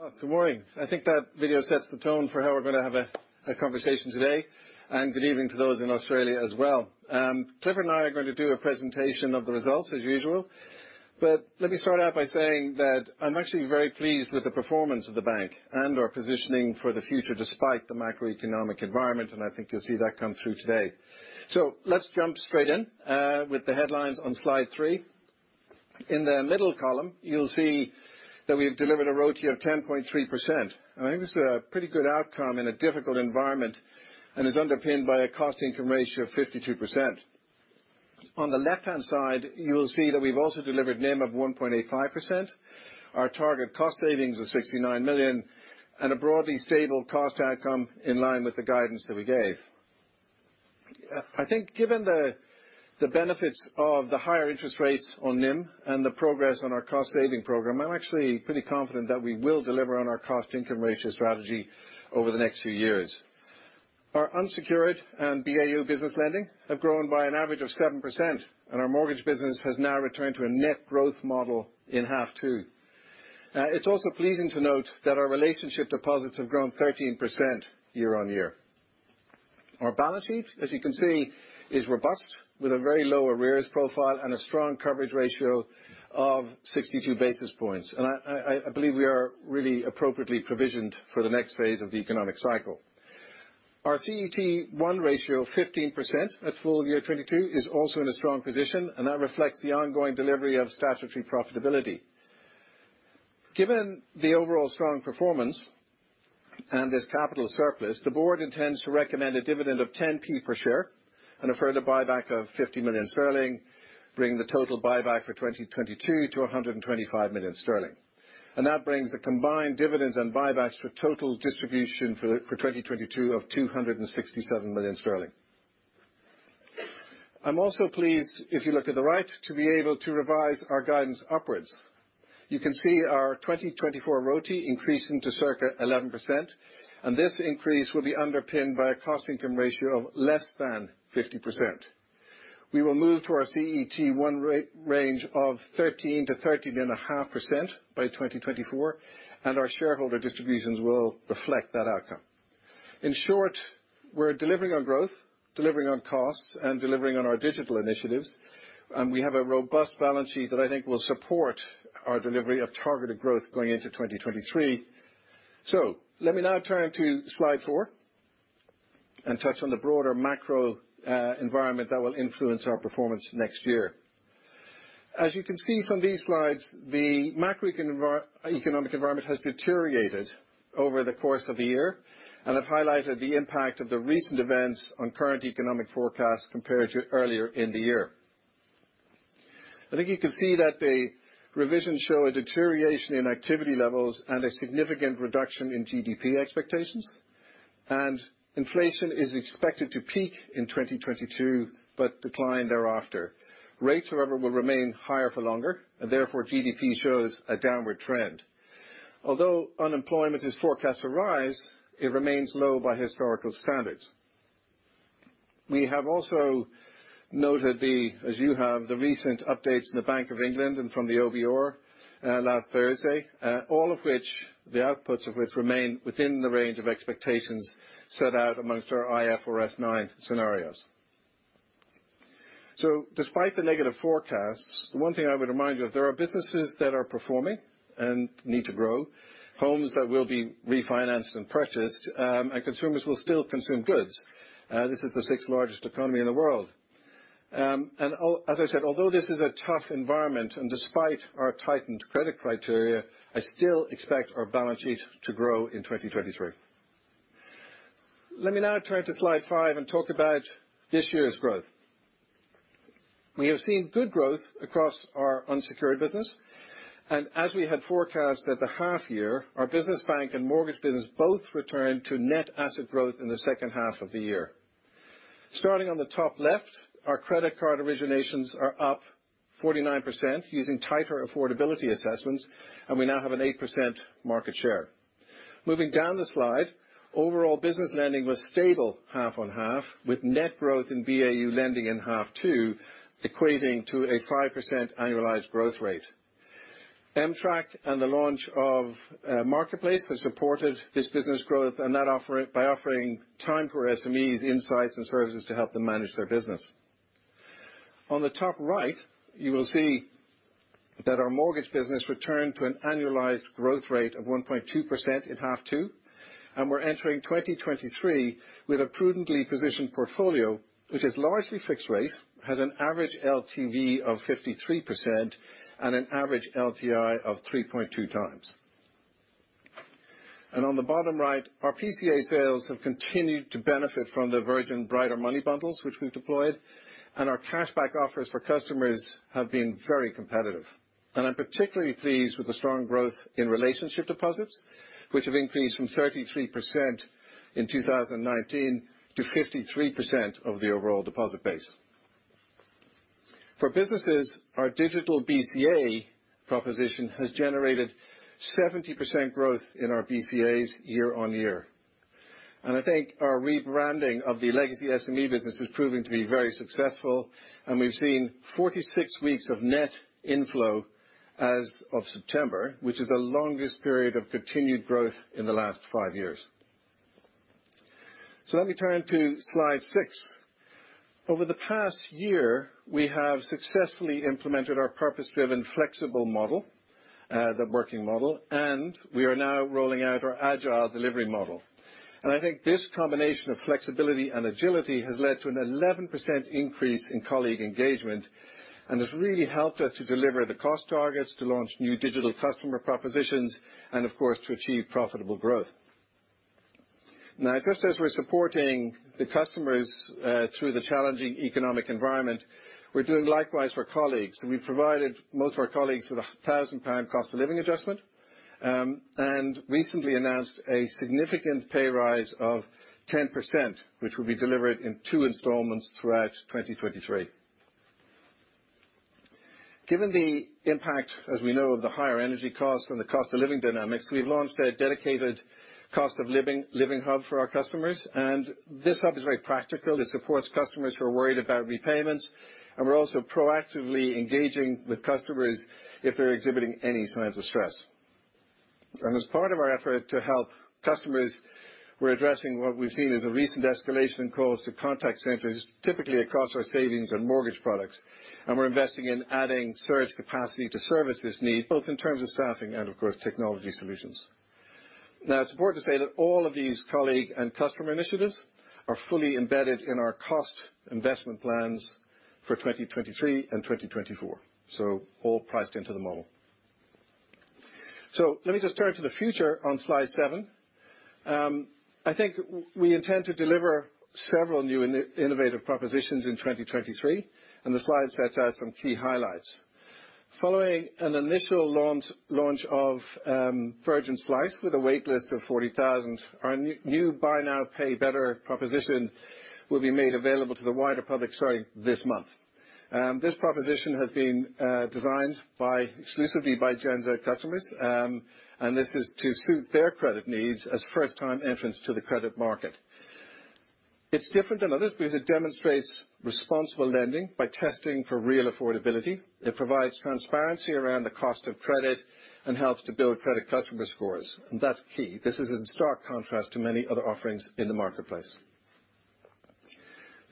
Well, good morning. I think that video sets the tone for how we're gonna have a conversation today. Good evening to those in Australia as well. Clifford and I are going to do a presentation of the results as usual. Let me start out by saying that I'm actually very pleased with the performance of the bank and our positioning for the future, despite the macroeconomic environment, and I think you'll see that come through today. Let's jump straight in with the headlines on slide three. In the middle column, you'll see that we've delivered a RoTE of 10.3%. I think this is a pretty good outcome in a difficult environment, and is underpinned by a cost income ratio of 52%. On the left-hand side, you will see that we've also delivered NIM of 1.85%, our target cost savings of 69 million, and a broadly stable cost outcome in line with the guidance that we gave. I think given the benefits of the higher interest rates on NIM and the progress on our cost-saving program, I'm actually pretty confident that we will deliver on our cost income ratio strategy over the next few years. Our unsecured and BAU business lending have grown by an average of 7%, our mortgage business has now returned to a net growth model in half two. It's also pleasing to note that our relationship deposits have grown 13% year-on-year. Our balance sheet, as you can see, is robust, with a very low arrears profile and a strong coverage ratio of 62 basis points. I believe we are really appropriately provisioned for the next phase of the economic cycle. Our CET1 ratio of 15% at full year 2022 is also in a strong position, and that reflects the ongoing delivery of statutory profitability. Given the overall strong performance and this capital surplus, the board intends to recommend a dividend of 0.10 per share and a further buyback of 50 million sterling, bringing the total buyback for 2022 to 125 million sterling. That brings the combined dividends and buybacks to a total distribution for 2022 of 267 million sterling. I'm also pleased, if you look at the right, to be able to revise our guidance upwards. You can see our 2024 RoTE increasing to circa 11%. This increase will be underpinned by a cost income ratio of less than 50%. We will move to our CET1 range of 13%-13.5% by 2024. Our shareholder distributions will reflect that outcome. In short, we're delivering on growth, delivering on costs, and delivering on our digital initiatives. We have a robust balance sheet that I think will support our delivery of targeted growth going into 2023. Let me now turn to slide four and touch on the broader macro environment that will influence our performance next year. As you can see from these slides, the macroeconomic environment has deteriorated over the course of the year and have highlighted the impact of the recent events on current economic forecasts compared to earlier in the year. I think you can see that the revisions show a deterioration in activity levels and a significant reduction in GDP expectations. Inflation is expected to peak in 2022, but decline thereafter. Rates, however, will remain higher for longer, and therefore GDP shows a downward trend. Although unemployment is forecast to rise, it remains low by historical standards. We have also noted the, as you have, the recent updates the Bank of England and from the OBR last Thursday, all of which the outputs of which remain within the range of expectations set out amongst our IFRS nine scenarios. Despite the negative forecasts, the one thing I would remind you, there are businesses that are performing and need to grow, homes that will be refinanced and purchased, and consumers will still consume goods. This is the sixth largest economy in the world. As I said, although this is a tough environment and despite our tightened credit criteria, I still expect our balance sheet to grow in 2023. Let me now turn to slide five and talk about this year's growth. We have seen good growth across our unsecured business, as we had forecast at the half year, our business bank and mortgage business both returned to net asset growth in the second half of the year. Starting on the top left, our credit card originations are up 49% using tighter affordability assessments, we now have an 8% market share. Moving down the slide, overall business lending was stable half on half, with net growth in BAU lending in half two equating to a 5% annualized growth rate. M-Track and the launch of Marketplace have supported this business growth and that offer it by offering time for SMEs insights and services to help them manage their business. On the top right, you will see that our mortgage business returned to an annualized growth rate of 1.2% in half two, and we're entering 2023 with a prudently positioned portfolio, which is largely fixed rate, has an average LTV of 53% and an average LTI of 3.2 times. On the bottom right, our PCA sales have continued to benefit from the Virgin Brighter Money Bundles which we've deployed, and our cashback offers for customers have been very competitive. I'm particularly pleased with the strong growth in relationship deposits, which have increased from 33% in 2019 to 53% of the overall deposit base. For businesses, our digital BCA proposition has generated 70% growth in our BCAs year-over-year. I think our rebranding of the legacy SME business is proving to be very successful, and we've seen 46 weeks of net inflow as of September, which is the longest period of continued growth in the last five years. Let me turn to slide six. Over the past year, we have successfully implemented our purpose-driven flexible model, the working model, and we are now rolling out our agile delivery model. I think this combination of flexibility and agility has led to an 11% increase in colleague engagement, and has really helped us to deliver the cost targets, to launch new digital customer propositions and, of course, to achieve profitable growth. Now, just as we're supporting the customers, through the challenging economic environment, we're doing likewise for colleagues. We provided most of our colleagues with a 1,000 pound cost of living adjustment. Recently announced a significant pay rise of 10%, which will be delivered in two installments throughout 2023. Given the impact, as we know, of the higher energy costs and the cost of living dynamics, we've launched a dedicated cost of living hub for our customers. This hub is very practical. It supports customers who are worried about repayments. We're also proactively engaging with customers if they're exhibiting any signs of stress. As part of our effort to help customers, we're addressing what we've seen as a recent escalation in calls to contact centers, typically across our savings and mortgage products. We're investing in adding surge capacity to service this need, both in terms of staffing and, of course, technology solutions. It's important to say that all of these colleague and customer initiatives are fully embedded in our cost investment plans for 2023 and 2024. All priced into the model. Let me just turn to the future on slide seven. I think we intend to deliver several new innovative propositions in 2023, and the slide sets out some key highlights. Following an initial launch of Virgin Slyce with a wait list of 40,000. Our new buy now, pay better proposition will be made available to the wider public starting this month. This proposition has been designed by exclusively by Gen Z customers, and this is to suit their credit needs as first time entrants to the credit market. It's different than others because it demonstrates responsible lending by testing for real affordability. It provides transparency around the cost of credit and helps to build credit customer scores. That's key. This is in stark contrast to many other offerings in the marketplace.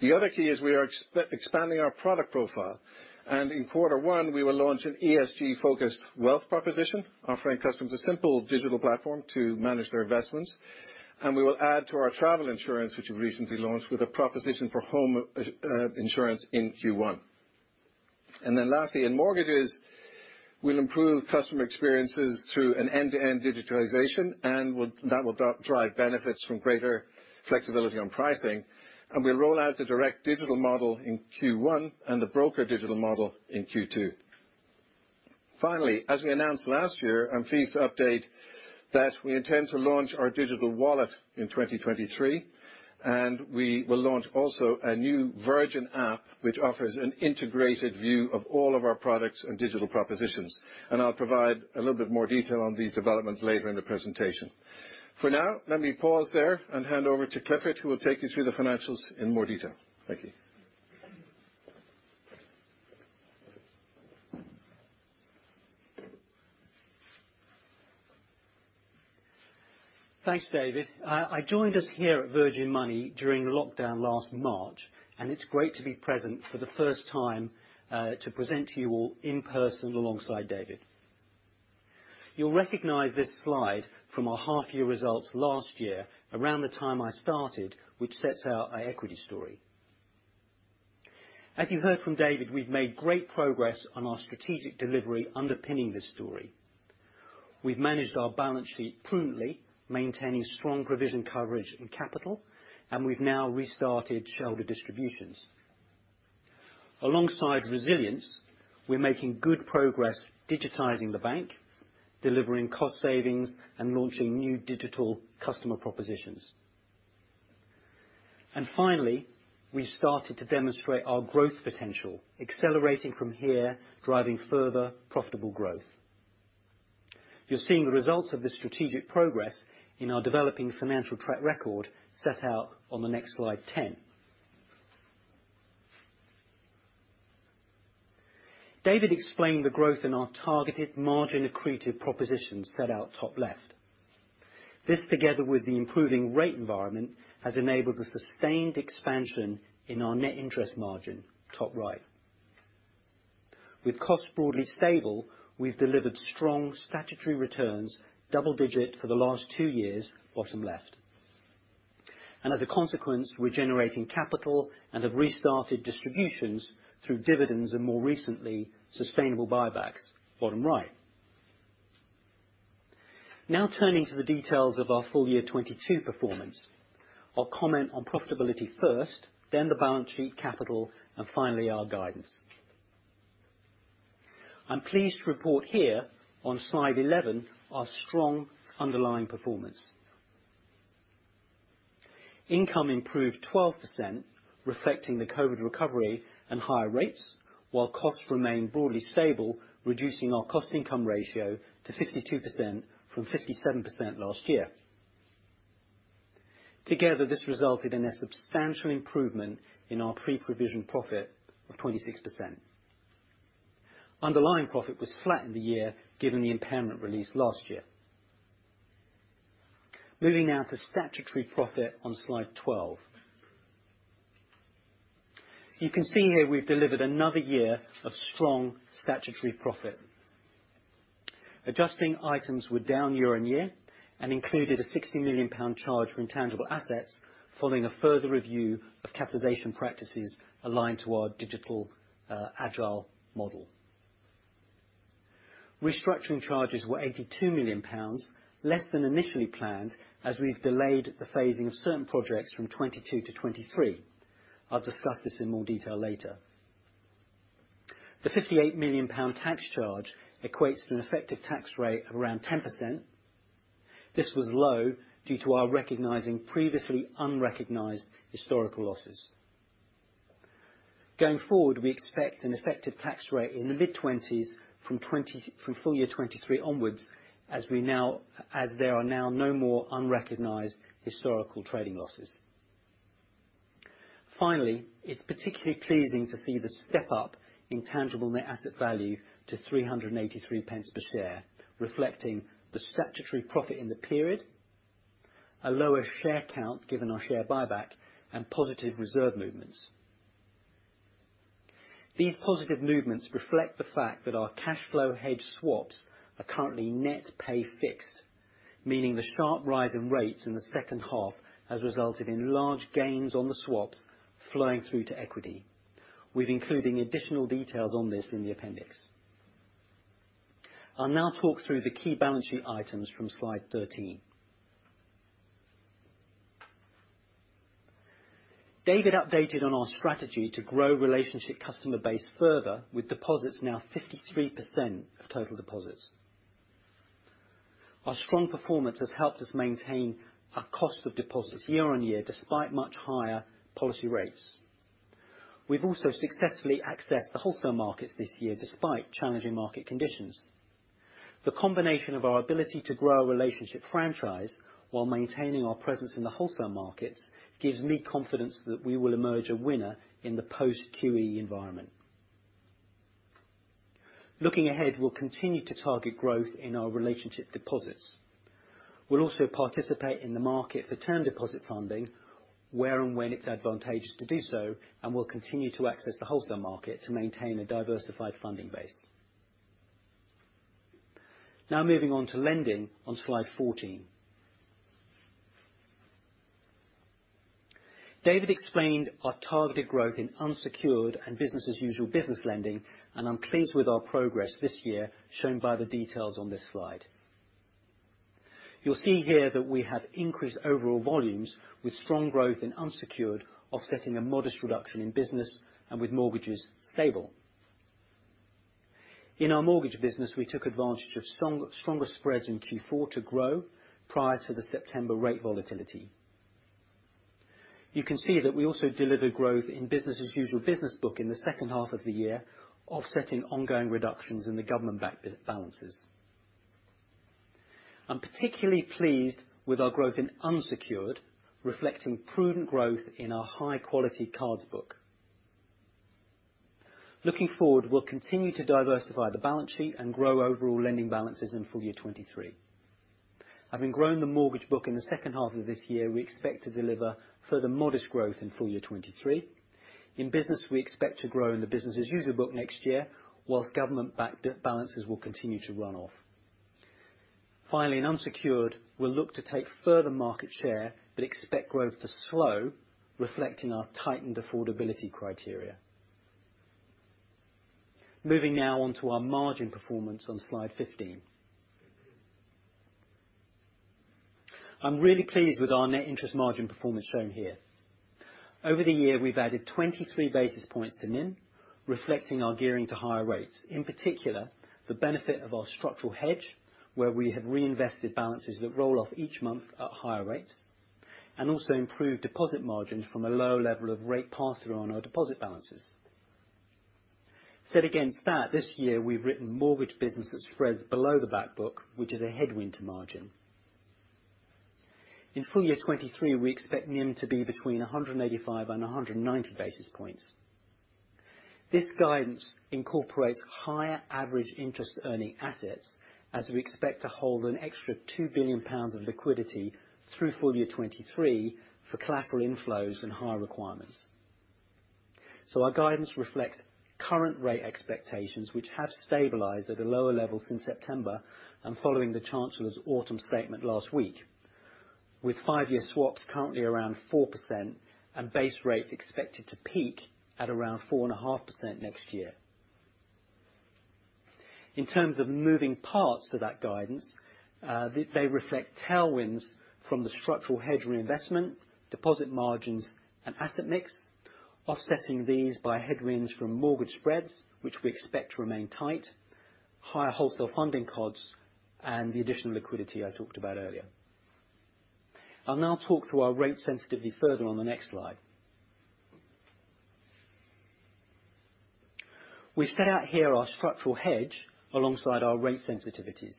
The other key is we are expanding our product profile. In quarter one, we will launch an ESG focused wealth proposition, offering customers a simple digital platform to manage their investments. We will add to our travel insurance, which we've recently launched with a proposition for home insurance in Q one. Lastly, in mortgages, we'll improve customer experiences through an end-to-end digitalization, and we'll that will drive benefits from greater flexibility on pricing. We'll roll out the direct digital model in Q one and the broker digital model in Q two. Finally, as we announced last year, I'm pleased to update that we intend to launch our digital wallet in 2023, and we will launch also a new V-App which offers an integrated view of all of our products and digital propositions. I'll provide a little bit more detail on these developments later in the presentation. For now, let me pause there and hand over to Clifford, who will take you through the financials in more detail. Thank you. Thanks, David. I joined us here at Virgin Money during lockdown last March. It's great to be present for the first time to present to you all in person alongside David. You'll recognize this slide from our half year results last year, around the time I started, which sets out our equity story. As you heard from David, we've made great progress on our strategic delivery underpinning this story. We've managed our balance sheet prudently, maintaining strong provision coverage and capital. We've now restarted shareholder distributions. Alongside resilience, we're making good progress digitizing the bank, delivering cost savings. Launching new digital customer propositions. Finally, we started to demonstrate our growth potential, accelerating from here, driving further profitable growth. You're seeing the results of this strategic progress in our developing financial track record set out on the next slide 10. David explained the growth in our targeted margin accretive propositions set out top left. This, together with the improving rate environment, has enabled a sustained expansion in our net interest margin, top right. With cost broadly stable, we've delivered strong statutory returns double-digit for the last twoyears, bottom left. As a consequence, we're generating capital and have restarted distributions through dividends and more recently, sustainable buybacks, bottom right. Now turning to the details of our full year 2022 performance. I'll comment on profitability first, then the balance sheet capital, and finally our guidance. I'm pleased to report here on slide 11 our strong underlying performance. Income improved 12%, reflecting the COVID recovery and higher rates, while costs remained broadly stable, reducing our cost income ratio to 52% from 57% last year. Together, this resulted in a substantial improvement in our pre-provision profit of 26%. Underlying profit was flat in the year, given the impairment release last year. Moving now to statutory profit on slide 12. You can see here we've delivered another year of strong statutory profit. Adjusting items were down year on year, and included a 60 million pound charge for intangible assets, following a further review of capitalization practices aligned to our digital agile model. Restructuring charges were 82 million pounds, less than initially planned, as we've delayed the phasing of certain projects from 2022 to 2023. I'll discuss this in more detail later. The 58 million pound tax charge equates to an effective tax rate of around 10%. This was low due to our recognizing previously unrecognized historical losses. Going forward, we expect an effective tax rate in the mid-20s from full year 2023 onwards as there are now no more unrecognized historical trading losses. Finally, it's particularly pleasing to see the step up in tangible net asset value to 3.83 per share, reflecting the statutory profit in the period, a lower share count given our share buyback, and positive reserve movements. These positive movements reflect the fact that our cash flow hedge swaps are currently net pay fixed, meaning the sharp rise in rates in the second half has resulted in large gains on the swaps flowing through to equity. We're including additional details on this in the appendix. I'll now talk through the key balance sheet items from slide 13. David updated on our strategy to grow relationship customer base further with deposits now 53% of total deposits. Our strong performance has helped us maintain our cost of deposits year-on-year, despite much higher policy rates. We've also successfully accessed the wholesale markets this year, despite challenging market conditions. The combination of our ability to grow our relationship franchise while maintaining our presence in the wholesale markets, gives me confidence that we will emerge a winner in the post-QE environment. Looking ahead, we'll continue to target growth in our relationship deposits. We'll also participate in the market for term deposit funding where and when it's advantageous to do so. We'll continue to access the wholesale market to maintain a diversified funding base. Now moving on to lending on slide 14. David explained our targeted growth in unsecured and business as usual business lending. I'm pleased with our progress this year, shown by the details on this slide. You'll see here that we have increased overall volumes with strong growth in unsecured, offsetting a modest reduction in business and with mortgages stable. In our mortgage business, we took advantage of stronger spreads in Q4 to grow prior to the September rate volatility. You can see that we also delivered growth in business as usual book in the second half of the year, offsetting ongoing reductions in the government-backed balances. I'm particularly pleased with our growth in unsecured, reflecting prudent growth in our high-quality cards book. Looking forward, we'll continue to diversify the balance sheet and grow overall lending balances in full year 2023. Having grown the mortgage book in the second half of this year, we expect to deliver further modest growth in full year 2023. In business, we expect to grow in the business as usual book next year, whilst government-backed balances will continue to run off. In unsecured, we'll look to take further market share, but expect growth to slow, reflecting our tightened affordability criteria. Moving now on to our margin performance on slide 15. I'm really pleased with our net interest margin performance shown here. Over the year, we've added 23 basis points to NIM, reflecting our gearing to higher rates, in particular, the benefit of our structural hedge, where we have reinvested balances that roll off each month at higher rates, and also improved deposit margins from a low level of rate pass-through on our deposit balances. Set against that, this year, we've written mortgage business that spreads below the back book, which is a headwind to margin. In full year 2023, we expect NIM to be between 185 and 190 basis points. This guidance incorporates higher average interest earning assets as we expect to hold an extra 2 billion pounds of liquidity through full year 2023 for collateral inflows and higher requirements. Our guidance reflects current rate expectations, which have stabilized at a lower level since September, and following the Chancellor's Autumn Statement last week. With five-year swaps currently around 4% and base rates expected to peak at around 4.5% next year. In terms of moving parts to that guidance, they reflect tailwinds from the structural hedge reinvestment, deposit margins and asset mix. Offsetting these by headwinds from mortgage spreads, which we expect to remain tight, higher wholesale funding costs, and the additional liquidity I talked about earlier. I'll now talk through our rate sensitivity further on the next slide. We set out here our structural hedge alongside our rate sensitivities.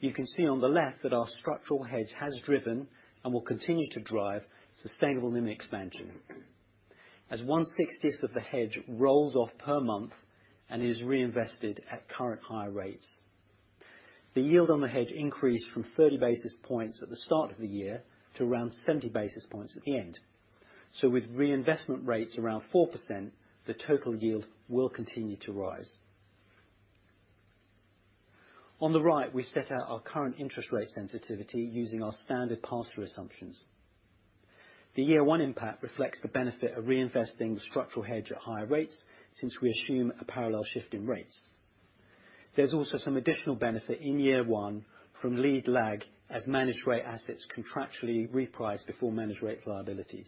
You can see on the left that our structural hedge has driven, and will continue to drive, sustainable NIM expansion. As one-sixtieth of the hedge rolls off per month and is reinvested at current higher rates. The yield on the hedge increased from 30 basis points at the start of the year to around 70 basis points at the end. With reinvestment rates around 4%, the total yield will continue to rise. On the right, we've set out our current interest rate sensitivity using our standard pass-through assumptions. The year one impact reflects the benefit of reinvesting the structural hedge at higher rates since we assume a parallel shift in rates. There's also some additional benefit in year one from lead lag as managed rate assets contractually reprice before managed rate liabilities.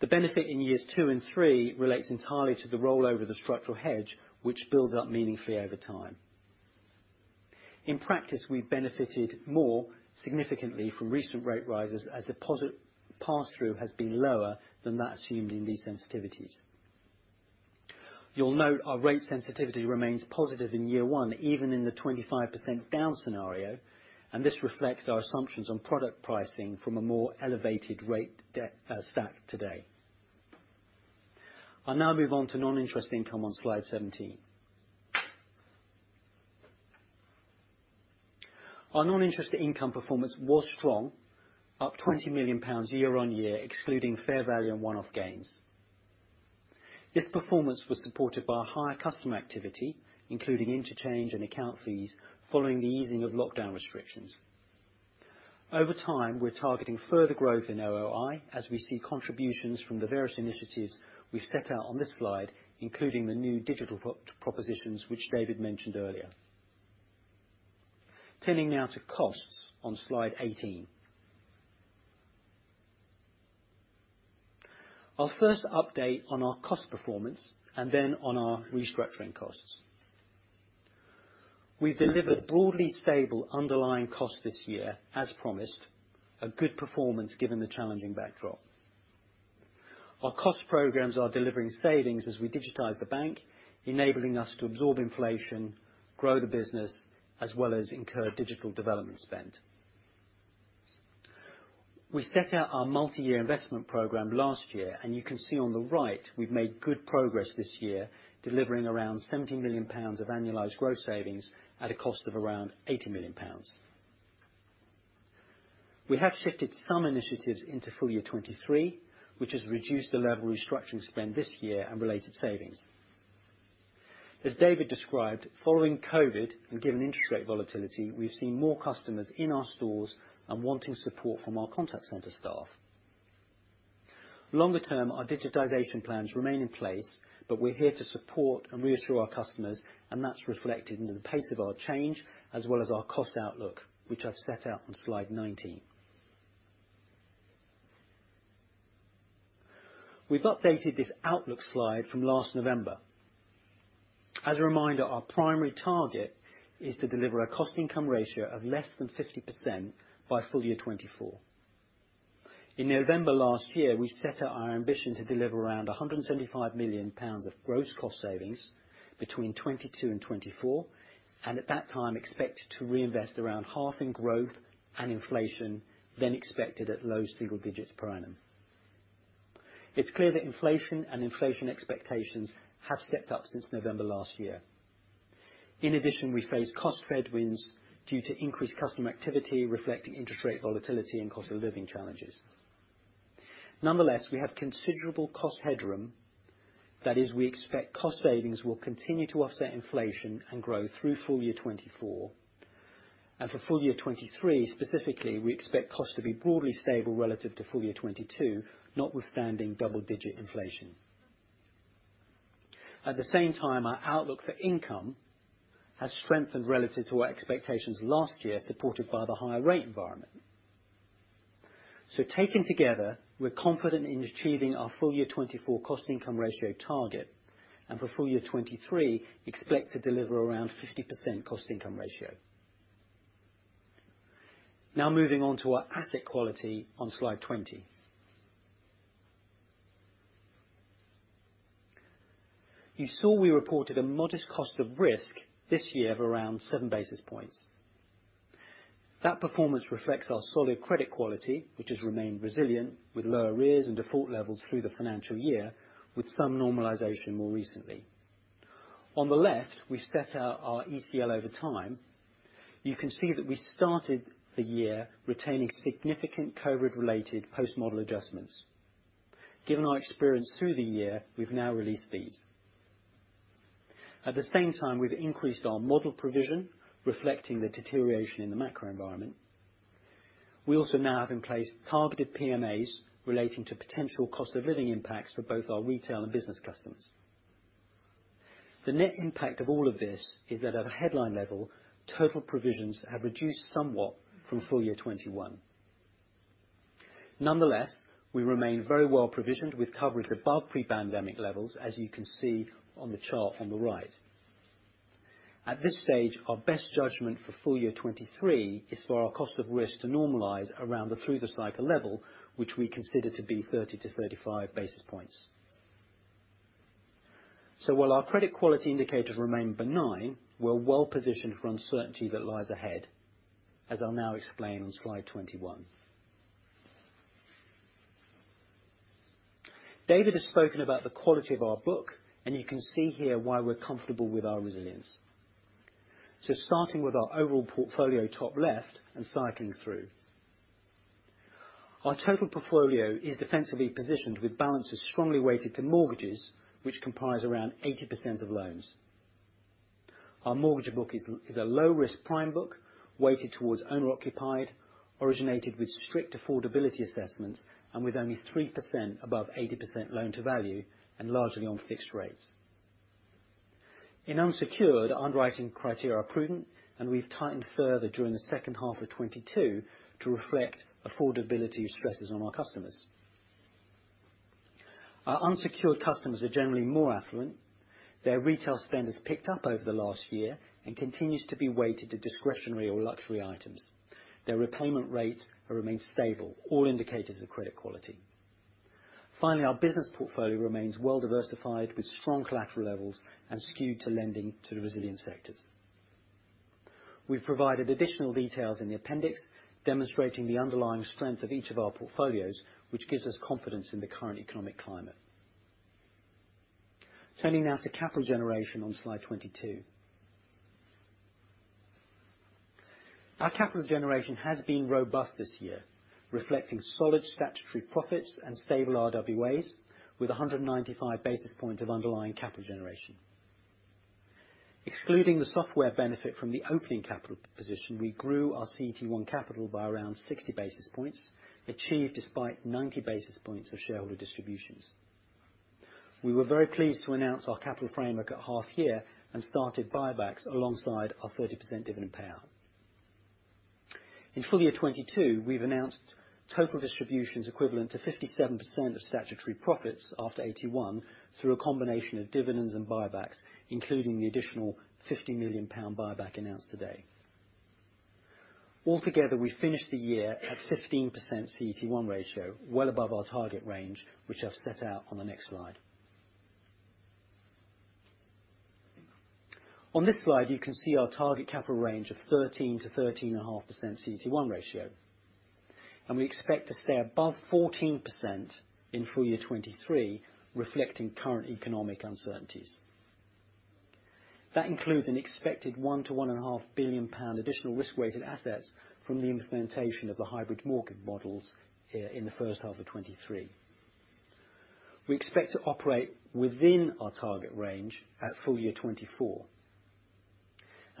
The benefit in years two and three relates entirely to the rollover of the structural hedge, which builds up meaningfully over time. In practice, we benefited more significantly from recent rate rises as deposit pass-through has been lower than that assumed in these sensitivities. You'll note our rate sensitivity remains positive in year one, even in the 25% down scenario, and this reflects our assumptions on product pricing from a more elevated rate deck stack today. I'll now move on to non-interest income on slide 17. Our non-interest income performance was strong, up 20 million pounds year-over-year, excluding fair value and one-off gains. This performance was supported by higher customer activity, including interchange and account fees following the easing of lockdown restrictions. Over time, we're targeting further growth in OOI as we see contributions from the various initiatives we've set out on this slide, including the new digital pro-propositions which David mentioned earlier. Turning now to costs on slide 18. Our first update on our cost performance, and then on our restructuring costs. We've delivered broadly stable underlying cost this year, as promised. A good performance given the challenging backdrop. Our cost programs are delivering savings as we digitize the bank, enabling us to absorb inflation, grow the business, as well as incur digital development spend. We set out our multi-year investment program last year, and you can see on the right we've made good progress this year, delivering around 70 million pounds of annualized growth savings at a cost of around 80 million pounds. We have shifted some initiatives into full year 2023, which has reduced the level of restructuring spend this year and related savings. As David described, following COVID, and given interest rate volatility, we've seen more customers in our stores and wanting support from our contact center staff. Longer-term, our digitization plans remain in place, we're here to support and reassure our customers, and that's reflected in the pace of our change as well as our cost outlook, which I've set out on slide 19. We've updated this outlook slide from last November. As a reminder, our primary target is to deliver a cost income ratio of less than 50% by full year 2024. In November last year, we set out our ambition to deliver around 175 million pounds of gross cost savings between 2022 and 2024, at that time expected to reinvest around half in growth and inflation, then expected at low single digits per annum. It's clear that inflation and inflation expectations have stepped up since November last year. In addition, we face cost headwinds due to increased customer activity reflecting interest rate volatility and cost of living challenges. Nonetheless, we have considerable cost headroom. That is, we expect cost savings will continue to offset inflation and grow through full year 2024. For full year 2023, specifically, we expect cost to be broadly stable relative to full year 2022, notwithstanding double-digit inflation. At the same time, our outlook for income has strengthened relative to our expectations last year, supported by the higher rate environment. Taken together, we're confident in achieving our full year 2024 cost income ratio target, and for full year 2023 expect to deliver around 50% cost income ratio. Now moving on to our asset quality on slide 20. You saw we reported a modest cost of risk this year of around seven basis points. That performance reflects our solid credit quality, which has remained resilient with low arrears and default levels through the financial year, with some normalization more recently. On the left, we set out our ECL over time. You can see that we started the year retaining significant COVID related post-model adjustments. Given our experience through the year, we've now released these. At the same time, we've increased our model provision, reflecting the deterioration in the macro environment. We also now have in place targeted PMAs relating to potential cost of living impacts for both our retail and business customers. The net impact of all of this is that at a headline level, total provisions have reduced somewhat from full year 2021. Nonetheless, we remain very well provisioned with coverage above pre-pandemic levels, as you can see on the chart on the right. At this stage, our best judgment for full year 2023 is for our cost of risk to normalize around the through the cycle level, which we consider to be 30-35 basis points. While our credit quality indicators remain benign, we're well positioned for uncertainty that lies ahead, as I'll now explain on slide 21. David has spoken about the quality of our book, and you can see here why we're comfortable with our resilience. Starting with our overall portfolio, top left, and cycling through. Our total portfolio is defensively positioned with balances strongly weighted to mortgages, which comprise around 80% of loans. Our mortgage book is a low risk prime book, weighted towards owner-occupied, originated with strict affordability assessments, and with only 3% above 80% loan to value, and largely on fixed rates. In unsecured, underwriting criteria are prudent, and we've tightened further during the second half of 2022 to reflect affordability stresses on our customers. Our unsecured customers are generally more affluent. Their retail spend has picked up over the last year and continues to be weighted to discretionary or luxury items. Their repayment rates have remained stable, all indicators of credit quality. Our business portfolio remains well diversified with strong collateral levels and skewed to lending to the resilient sectors. We've provided additional details in the appendix, demonstrating the underlying strength of each of our portfolios, which gives us confidence in the current economic climate. Turning now to capital generation on slide 22. Our capital generation has been robust this year, reflecting solid statutory profits and stable RWAs, with 195 basis points of underlying capital generation. Excluding the software benefit from the opening capital position, we grew our CET1 capital by around 60 basis points, achieved despite 90 basis points of shareholder distributions. We were very pleased to announce our capital framework at half year and started buybacks alongside our 30% dividend payout. In full year 2022, we've announced total distributions equivalent to 57% of statutory profits after AT1, through a combination of dividends and buybacks, including the additional 50 million pound buyback announced today. Altogether, we finished the year at 15% CET1 ratio, well above our target range, which I've set out on the next slide. On this slide, you can see our target capital range of 13%-13.5% CET1 ratio, and we expect to stay above 14% in full year 2023, reflecting current economic uncertainties. That includes an expected 1 billion-1.5 billion pound additional risk-weighted assets from the implementation of the hybrid mortgage models in the first half of 2023. We expect to operate within our target range at full year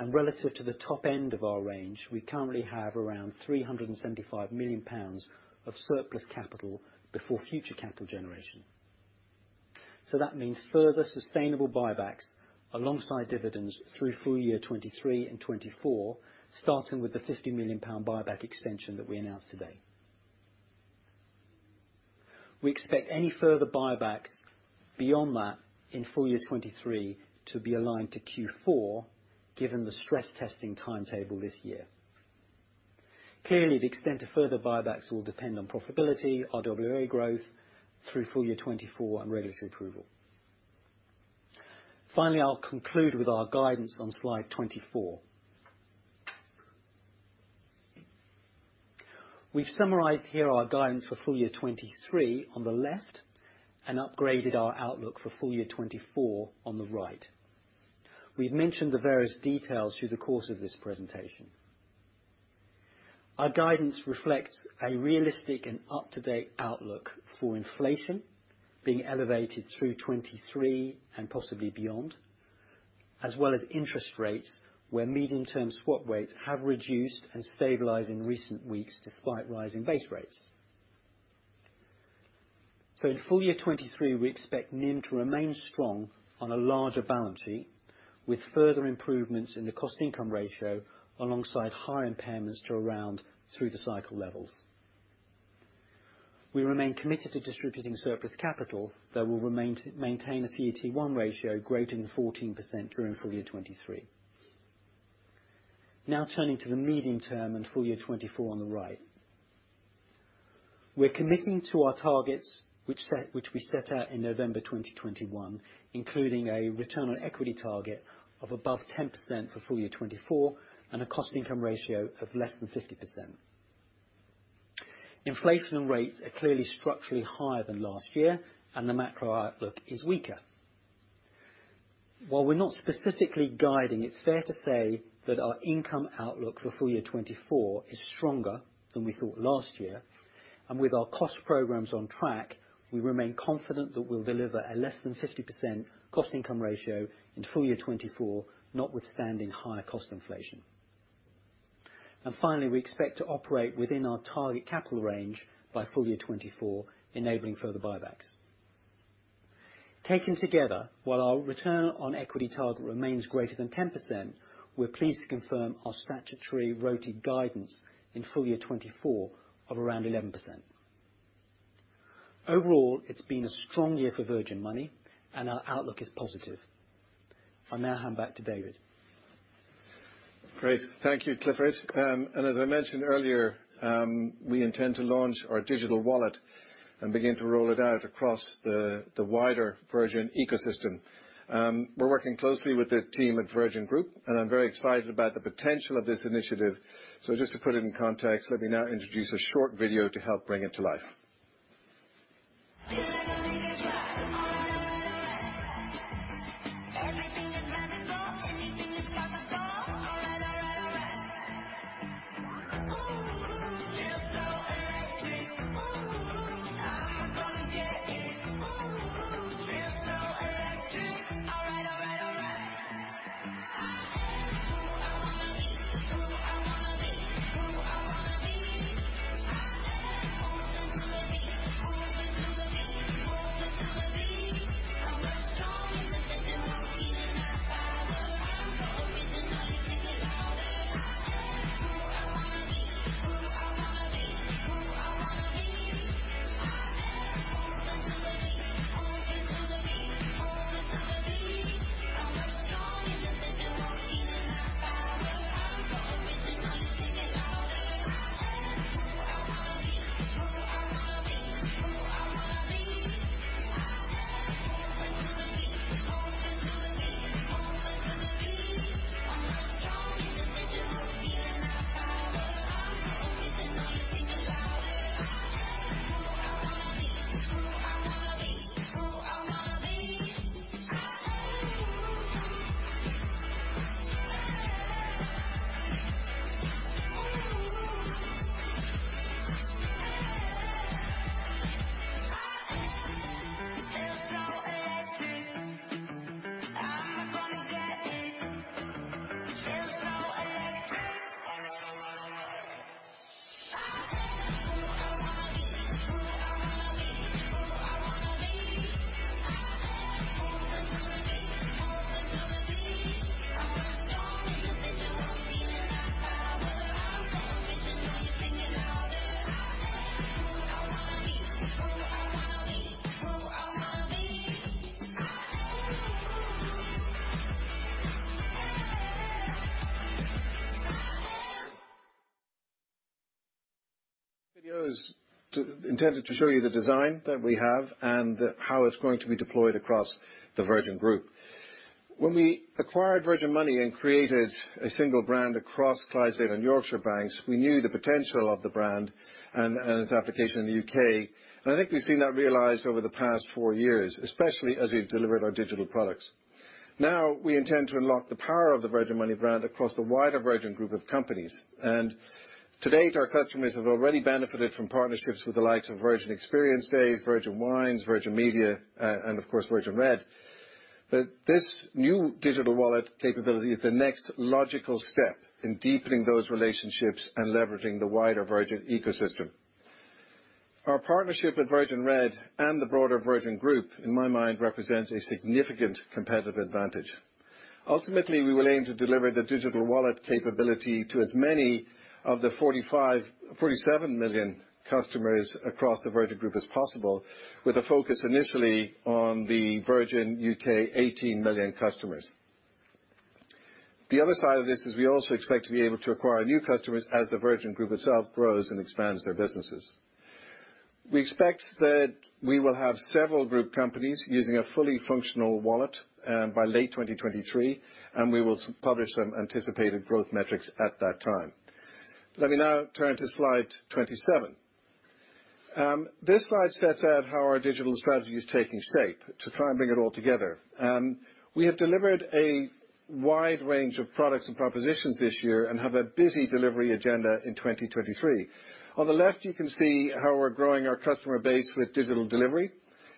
2024. Relative to the top end of our range, we currently have around 375 million pounds of surplus capital before future capital generation. That means further sustainable buybacks alongside dividends through full year 2023 and 2024, starting with the 50 million pound buyback extension that we announced today. We expect any further buybacks beyond that in full year 2023 to be aligned to Q4, given the stress testing timetable this year. The extent of further buybacks will depend on profitability, RWA growth through full year 2024 and regulatory approval. I'll conclude with our guidance on slide 24. We've summarized here our guidance for full year 2023 on the left and upgraded our outlook for full year 2024 on the right. We've mentioned the various details through the course of this presentation. Our guidance reflects a realistic and up-to-date outlook for inflation being elevated through 2023 and possibly beyond, as well as interest rates, where medium-term swap rates have reduced and stabilized in recent weeks despite rising base rates. In full year 2023, we expect NIM to remain strong on a larger balance sheet, with further improvements in the cost income ratio alongside higher impairments to around through the cycle levels. We remain committed to distributing surplus capital, though we'll remain to maintain a CET1 ratio greater than 14% during full year 2023. Turning to the medium term and full year 2024 on the right. We're committing to our targets which we set out in November 2021, including a return on equity target of above 10% for full year 2024 and a cost income ratio of less than 50%. Inflation rates are clearly structurally higher than last year, and the macro outlook is weaker. While we're not specifically guiding, it's fair to say that our income outlook for full year 2024 is stronger than we thought last year. With our cost programs on track, we remain confident that we'll deliver a less than 50% cost income ratio in full year 2024, notwithstanding higher cost inflation. Finally, we expect to operate within our target capital range by full year 2024, enabling further buybacks. Taken together, while our return on equity target remains greater than 10%, we're pleased to confirm our statutory RoTE guidance in full year 2024 of around 11%. Overall, it's been a strong year for Virgin Money and our outlook is positive. I'll now hand back to David. Great. Thank you, Clifford. As I mentioned earlier, we intend to launch our digital wallet and begin to roll it out across the wider Virgin ecosystem. We're working closely with the team at Virgin Group, and I'm very excited about the potential of this initiative. Just to put it in context, let me now introduce a short video to help bring it to life. To date, our customers have already benefited from partnerships with the likes of Virgin Experience Days, Virgin Wines, Virgin Media, and of course, Virgin Red. This new digital wallet capability is the next logical step in deepening those relationships and leveraging the wider Virgin ecosystem. Our partnership with Virgin Red and the broader Virgin Group, in my mind, represents a significant competitive advantage. Ultimately, we will aim to deliver the digital wallet capability to as many of the 47 million customers across the Virgin Group as possible, with a focus initially on the Virgin UK 18 million customers. The other side of this is we also expect to be able to acquire new customers as the Virgin Group itself grows and expands their businesses. We expect that we will have several group companies using a fully functional wallet by late 2023, and we will publish some anticipated growth metrics at that time. Let me now turn to slide 27. This slide sets out how our digital strategy is taking shape to try and bring it all together. We have delivered a wide range of products and propositions this year and have a busy delivery agenda in 2023. On the left, you can see how we're growing our customer base with digital delivery.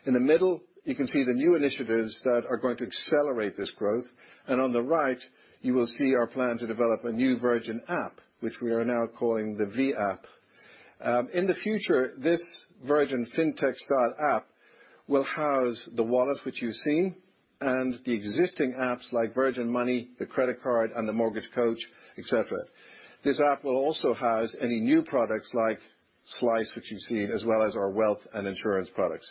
In the middle, you can see the new initiatives that are going to accelerate this growth. On the right, you will see our plan to develop a new Virgin app, which we are now calling the V-App. In the future, this Virgin FinTech style app will house the wallet, which you've seen, and the existing apps like Virgin Money, the Credit Card, and the Mortgage Coach, et cetera. This app will also house any new products like Slyce, which you've seen, as well as our wealth and insurance products.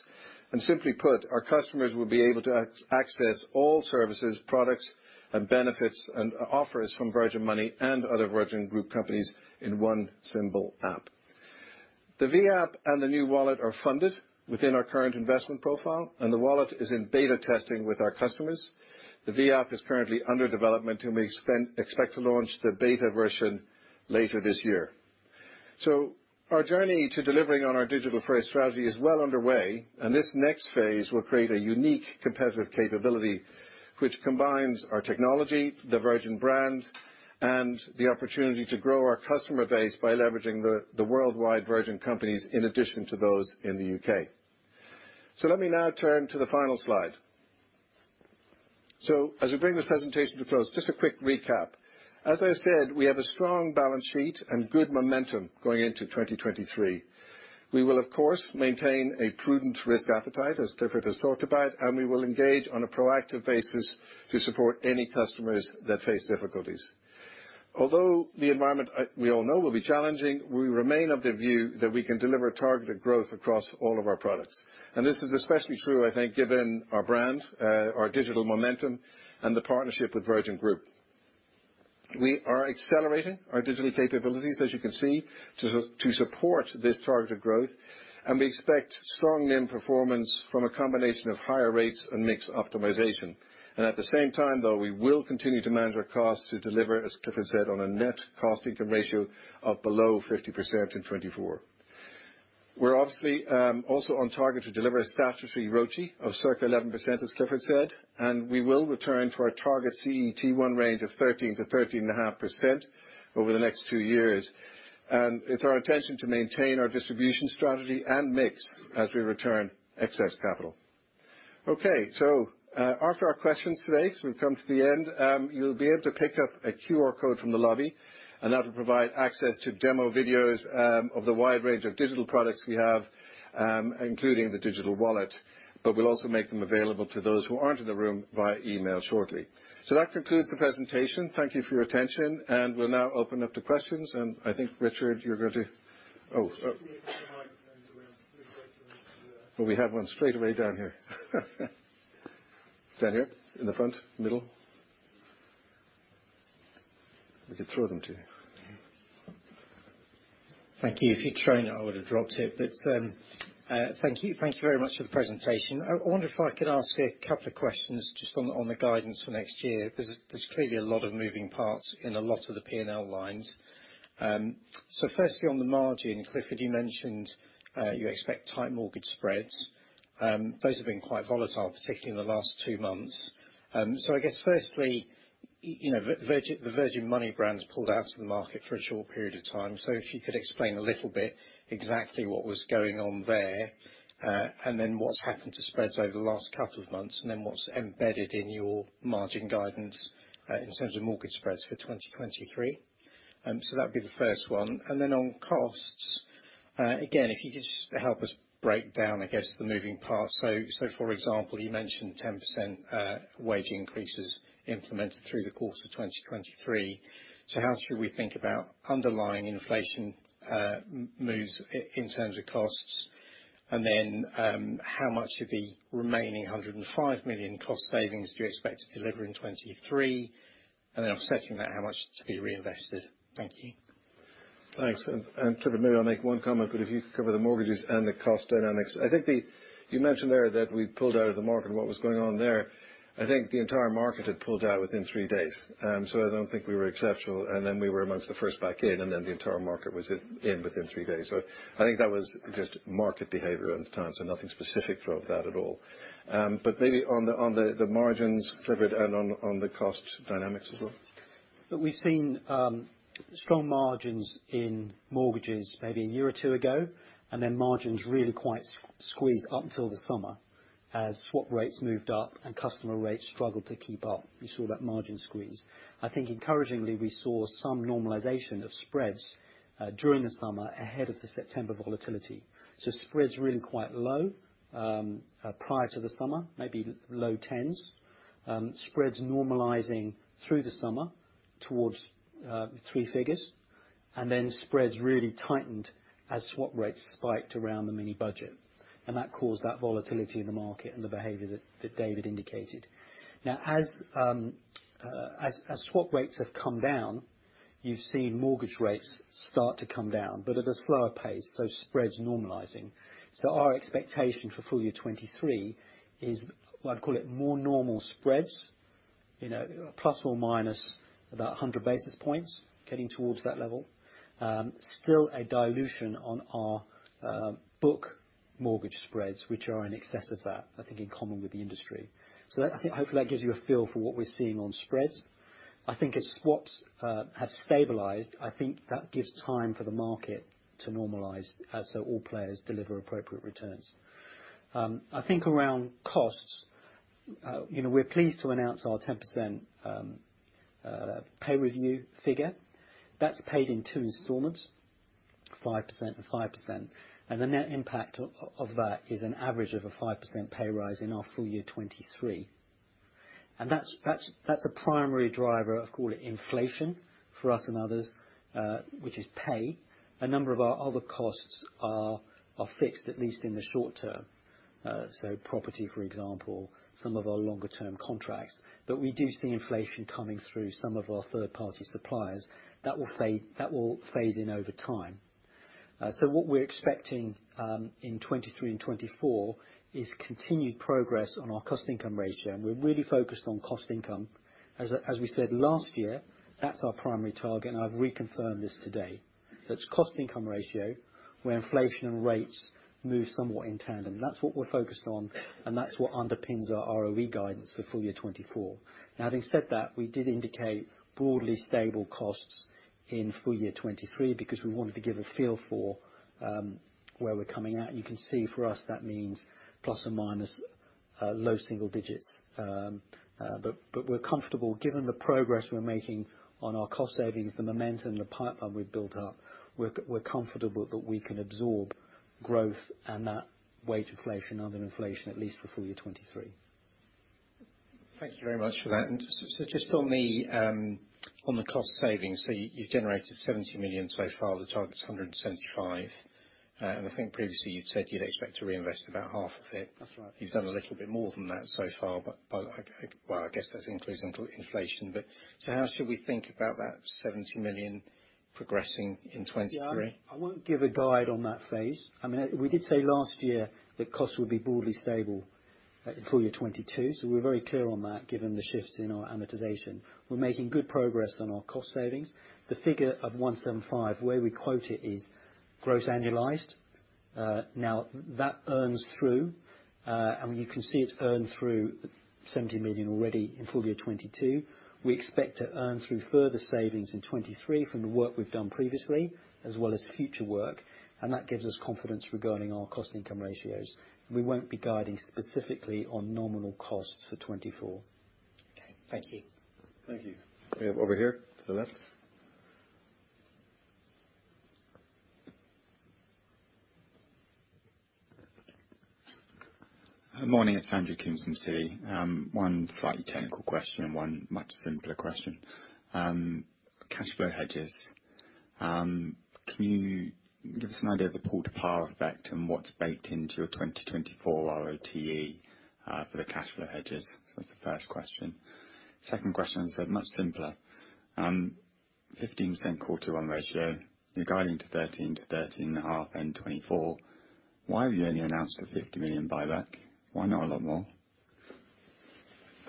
Simply put, our customers will be able to access all services, products, and benefits and offers from Virgin Money and other Virgin Group companies in one simple app. The V-App and the new wallet are funded within our current investment profile, and the wallet is in beta testing with our customers. The V-App is currently under development, and we expect to launch the beta version later this year. Our journey to delivering on our digital-first strategy is well underway, and this next phase will create a unique competitive capability which combines our technology, the Virgin brand, and the opportunity to grow our customer base by leveraging the worldwide Virgin companies in addition to those in the U.K. Let me now turn to the final slide. As we bring this presentation to a close, just a quick recap. As I said, we have a strong balance sheet and good momentum going into 2023. We will, of course, maintain a prudent risk appetite, as Clifford has talked about. We will engage on a proactive basis to support any customers that face difficulties. Although the environment, we all know will be challenging, we remain of the view that we can deliver targeted growth across all of our products. This is especially true, I think, given our brand, our digital momentum, and the partnership with Virgin Group. We are accelerating our digital capabilities, as you can see, to support this targeted growth, and we expect strong NIM performance from a combination of higher rates and mixed optimization. At the same time, though, we will continue to manage our costs to deliver, as Clifford said, on a net cost-income ratio of below 50% in 2024. We're obviously also on target to deliver a statutory ROCE of circa 11%, as Clifford said, and we will return to our target CET1 range of 13%-13.5% over the next two years. It's our intention to maintain our distribution strategy and mix as we return excess capital. Okay. After our questions today, so we've come to the end, you'll be able to pick up a QR code from the lobby, and that will provide access to demo videos of the wide range of digital products we have, including the digital wallet. We'll also make them available to those who aren't in the room via email shortly. That concludes the presentation. Thank you for your attention, and we'll now open up to questions. I think, Richard, you're going to... Oh, oh. There should be some microphones around. Oh, we have one straight away down here. Down here in the front, middle. We could throw them to you. Thank you. If you'd thrown it, I would have dropped it. Thank you. Thank you very much for the presentation. I wonder if I could ask a couple of questions just on the guidance for next year. There's clearly a lot of moving parts in a lot of the P&L lines. Firstly, on the margin, Clifford, you mentioned you expect tight mortgage spreads. Those have been quite volatile, particularly in the last 2 months. I guess firstly, you know, Virgin, the Virgin Money brand's pulled out of the market for a short period of time. If you could explain a little bit exactly what was going on there, and then what's happened to spreads over the last couple of months, and then what's embedded in your margin guidance in terms of mortgage spreads for 2023. That'd be the first one. Then on costs, again, if you could just help us break down, I guess, the moving parts. For example, you mentioned 10% wage increases implemented through the course of 2023. How should we think about underlying inflation, moves in terms of costs? Then, how much of the remaining 105 million cost savings do you expect to deliver in 2023? Then offsetting that, how much to be reinvested? Thank you. Thanks. Clifford maybe will make one comment, but if you could cover the mortgages and the cost dynamics. You mentioned there that we pulled out of the market and what was going on there. I think the entire market had pulled out within three days. I don't think we were exceptional. We were amongst the first back in, and then the entire market was in within three days. I think that was just market behavior at the time, so nothing specific to that at all. Maybe on the margins, Clifford, and on the cost dynamics as well. Look, we've seen strong margins in mortgages maybe a year or two ago, margins really quite squeezed up until the summer. As swap rates moved up and customer rates struggled to keep up, you saw that margin squeeze. I think encouragingly, we saw some normalization of spreads during the summer ahead of the September volatility. Spreads really quite low prior to the summer, maybe low tens. Spreads normalizing through the summer towards three figures. Spreads really tightened as swap rates spiked around the mini budget. That caused that volatility in the market and the behavior that David indicated. As swap rates have come down, you've seen mortgage rates start to come down, but at a slower pace, spreads normalizing. Our expectation for full year 2023 is, I'd call it more normal spreads, you know, ± 100 basis points, getting towards that level. Still a dilution on our book mortgage spreads, which are in excess of that, I think in common with the industry. I think hopefully that gives you a feel for what we're seeing on spreads. I think as swaps have stabilized, I think that gives time for the market to normalize as so all players deliver appropriate returns. I think around costs, you know, we're pleased to announce our 10% pay review figure. That's paid in 2 installments, 5% and 5%. The net impact of that is an average of a 5% pay rise in our full year 2023. That's a primary driver of, call it, inflation for us and others, which is pay. A number of our other costs are fixed, at least in the short term. Property, for example, some of our longer-term contracts. We do see inflation coming through some of our third party suppliers that will fade, that will phase in over time. What we're expecting in 2023 and 2024 is continued progress on our cost income ratio. We're really focused on cost income. As we said last year, that's our primary target, and I've reconfirmed this today. It's cost income ratio where inflation and rates move somewhat in tandem. That's what we're focused on, and that's what underpins our ROE guidance for full year 2024. Having said that, we did indicate broadly stable costs in full year 2023 because we wanted to give a feel for where we're coming out. You can see for us that means plus or minus low single digits. But we're comfortable given the progress we're making on our cost, the momentum, the pipeline we've built up, we're comfortable that we can absorb growth and that wage inflation and other inflation at least for full year 2023. Thank you very much for that. Just on the cost savings, you generated 70 million so far, the target's 175 million. I think previously you'd said you'd expect to reinvest about half of it. That's right. You've done a little bit more than that so far, but by like, Well, I guess that's inclusive of inflation, but so how should we think about that 70 million progressing in 2023? Yeah. I won't give a guide on that phase. I mean, we did say last year that costs would be broadly stable in full year 2022, so we're very clear on that, given the shifts in our amortization. We're making good progress on our cost savings. The figure of 175, the way we quote it, is gross annualized. Now that earns through, and you can see it's earned through 70 million already in full year 2022. We expect to earn through further savings in 2023 from the work we've done previously, as well as future work, and that gives us confidence regarding our cost income ratios. We won't be guiding specifically on nominal costs for 2024. Okay. Thank you. Thank you. We have over here to the left. Morning, it's Andrew Coombs, Citi. One slightly technical question and one much simpler question. Cash flow hedges. Can you give us an idea of the pool to par effect and what's baked into your 2024 RoTE for the cash flow hedges? That's the first question. Second question is much simpler. 15% quarter one ratio. You're guiding to 13%-13.5% in 2024. Why have you only announced a 50 million buyback? Why not a lot more?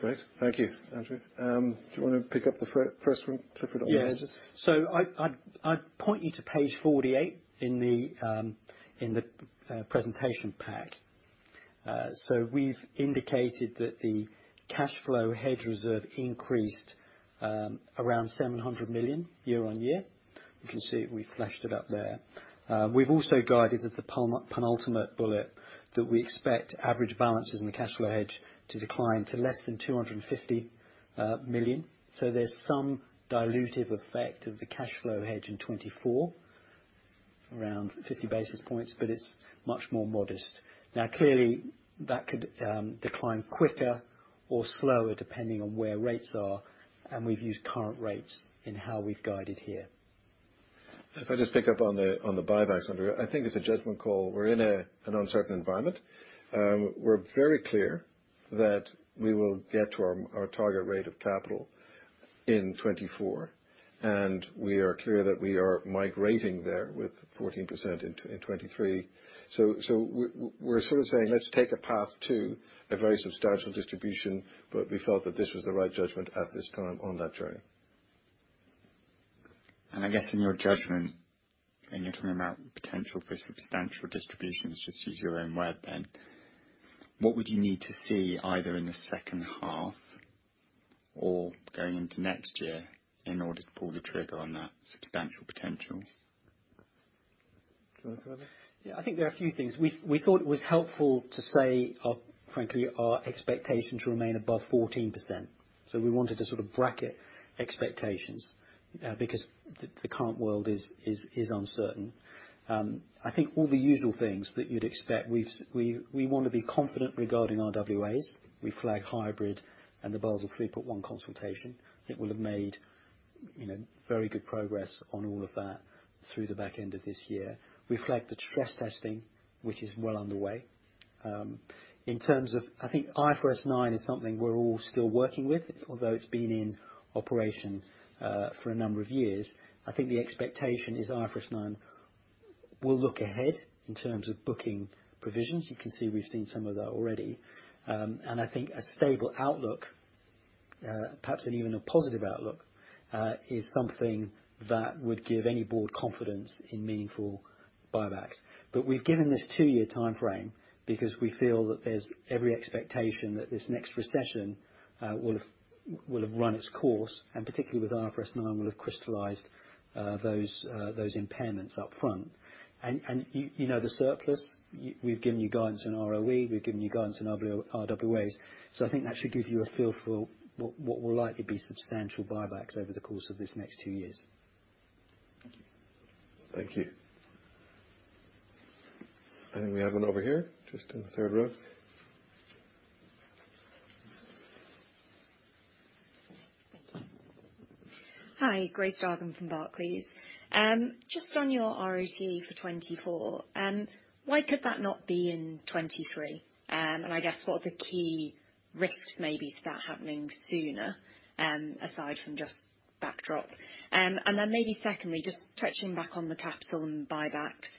Great. Thank you, Andrew. Do you wanna pick up the first one, Clifford, on the hedges? Yes. I'd point you to page 48 in the presentation pack. We've indicated that the cash flow hedge reserve increased around 700 million year-on-year. You can see we've fleshed it up there. We've also guided at the penultimate bullet that we expect average balances in the cash flow hedge to decline to less than 250 million. There's some dilutive effect of the cash flow hedge in 2024, around 50 basis points, but it's much more modest. Clearly that could decline quicker or slower depending on where rates are, and we've used current rates in how we've guided here. If I just pick up on the, on the buybacks, Andrew. I think it's a judgment call. We're in a, an uncertain environment. We're very clear that we will get to our target rate of capital in 2024, and we are clear that we are migrating there with 14% in 2023. We're sort of saying let's take a path to a very substantial distribution, but we felt that this was the right judgment at this time on that journey. I guess in your judgment, and you're talking about potential for substantial distributions, just use your own word then, what would you need to see either in the second half or going into next year in order to pull the trigger on that substantial potential? Do you wanna go, Andrew? Yeah. I think there are a few things. We thought it was helpful to say our, frankly, our expectations remain above 14%. We wanted to sort of bracket expectations, because the current world is uncertain. I think all the usual things that you'd expect. We wanna be confident regarding RWAs. We flag hybrid and the Basel 3.1 consultation. I think we'll have made, you know, very good progress on all of that through the back end of this year. We flag the stress testing, which is well underway. In terms of, I think IFRS 9 is something we're all still working with, although it's been in operation for a number of years. I think the expectation is IFRS 9 will look ahead in terms of booking provisions. You can see we've seen some of that already. I think a stable outlook, perhaps and even a positive outlook, is something that would give any board confidence in meaningful buybacks. We've given this two-year timeframe because we feel that there's every expectation that this next recession will have run its course, and particularly with IFRS 9 will have crystallized those impairments up front. You know the surplus. We've given you guidance on ROE, we've given you guidance on RWAs. I think that should give you a feel for what will likely be substantial buybacks over the course of this next two years. Thank you. Thank you. I think we have one over here, just in the third row. Thank you. Hi, Grace Dargan from Barclays. Just on your ROC for 2024, why could that not be in 2023? I guess what are the key risks maybe to that happening sooner, aside from just backdrop? Then maybe secondly, just touching back on the capital and buybacks.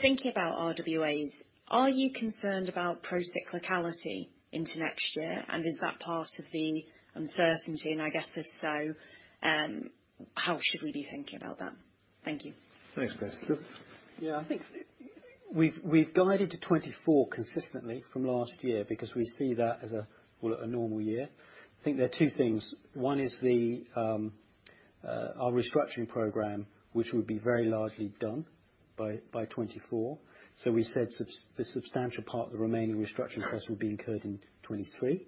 Thinking about RWAs, are you concerned about pro-cyclicality into next year? Is that part of the uncertainty? I guess if so... How should we be thinking about that? Thank you. Thanks, Grace. Yeah, I think we've guided to 2024 consistently from last year because we see that as a, well, a normal year. I think there are two things. One is the our restructuring program, which would be very largely done by 2024. We said the substantial part of the remaining restructuring costs will be incurred in 2023.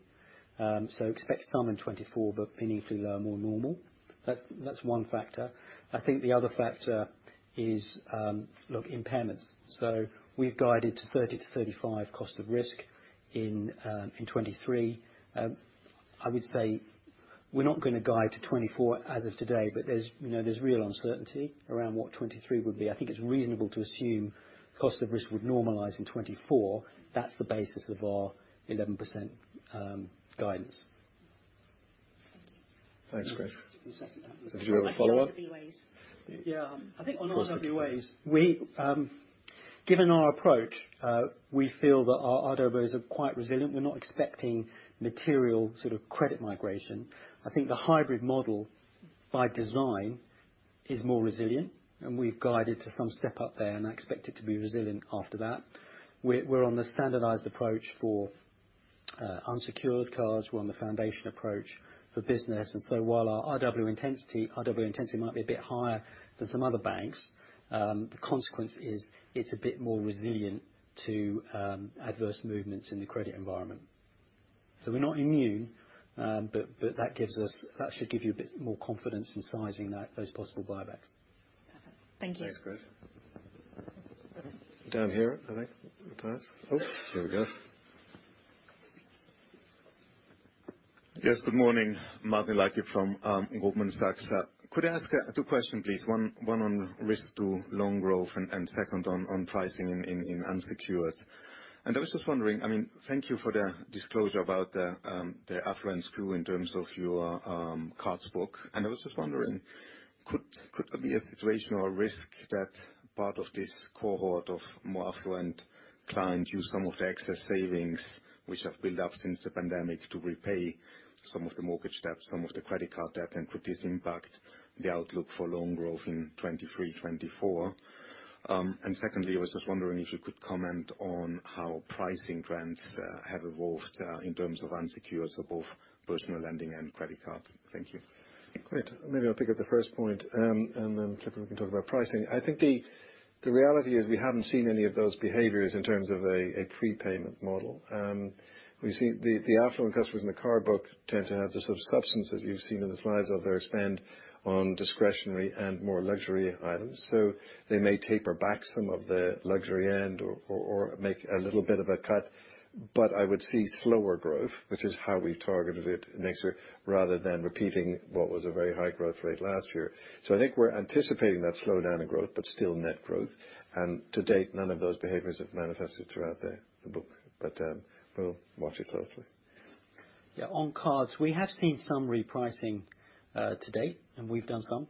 Expect some in 2024, but meaningfully lower, more normal. That's one factor. I think the other factor is, look, impairments. We've guided to 30%-35% cost of risk in 2023. I would say we're not gonna guide to 2024 as of today, but there's, you know, there's real uncertainty around what 2023 would be. I think it's reasonable to assume cost of risk would normalize in 2024. That's the basis of our 11% guidance. Thank you. Thanks, Grace. One follow-up to RWAs. Yeah. I think on RWAs, we, given our approach, we feel that our RWAs are quite resilient. We're not expecting material sort of credit migration. I think the hybrid model by design is more resilient, and we've guided to some step up there, and I expect it to be resilient after that. We're on the standardized approach for unsecured cards. We're on the foundation approach for business. While our RW intensity might be a bit higher than some other banks, the consequence is it's a bit more resilient to adverse movements in the credit environment. We're not immune, but that should give you a bit more confidence in sizing that, those possible buybacks. Perfect. Thank you. Thanks, Grace. Down here, I think. Oh, here we go. Yes, good morning. Martin Leitgeb from Goldman Sachs. Could I ask two question, please? One on risk to loan growth and second on pricing in unsecured. I was just wondering, I mean, thank you for the disclosure about the affluent SKU in terms of your cards book. I was just wondering, could there be a situation or risk that part of this cohort of more affluent clients use some of the excess savings which have built up since the pandemic to repay some of the mortgage debt, some of the credit card debt, and could this impact the outlook for loan growth in 2023, 2024? Secondly, I was just wondering if you could comment on how pricing trends have evolved in terms of unsecured, so both personal lending and credit cards. Thank you. Great. Maybe I'll pick up the first point, and then Clifford can talk about pricing. I think the reality is we haven't seen any of those behaviors in terms of a prepayment model. We see the affluent customers in the card book tend to have the sort of substance that you've seen in the slides of their spend on discretionary and more luxury items. They may taper back some of the luxury end or make a little bit of a cut. I would see slower growth, which is how we've targeted it next year, rather than repeating what was a very high growth rate last year. I think we're anticipating that slowdown in growth, but still net growth. To date, none of those behaviors have manifested throughout the book. We'll watch it closely. On cards, we have seen some repricing to date, and we've done some.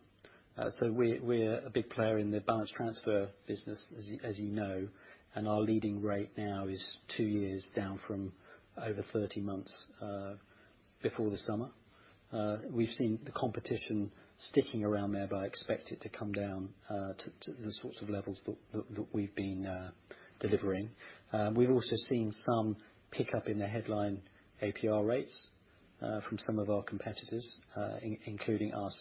We're a big player in the balance transfer business, as you know, and our leading rate now is two years down from over 13 months before the summer. We've seen the competition sticking around there, I expect it to come down to the sorts of levels that we've been delivering. We've also seen some pickup in the headline APR rates from some of our competitors, including us.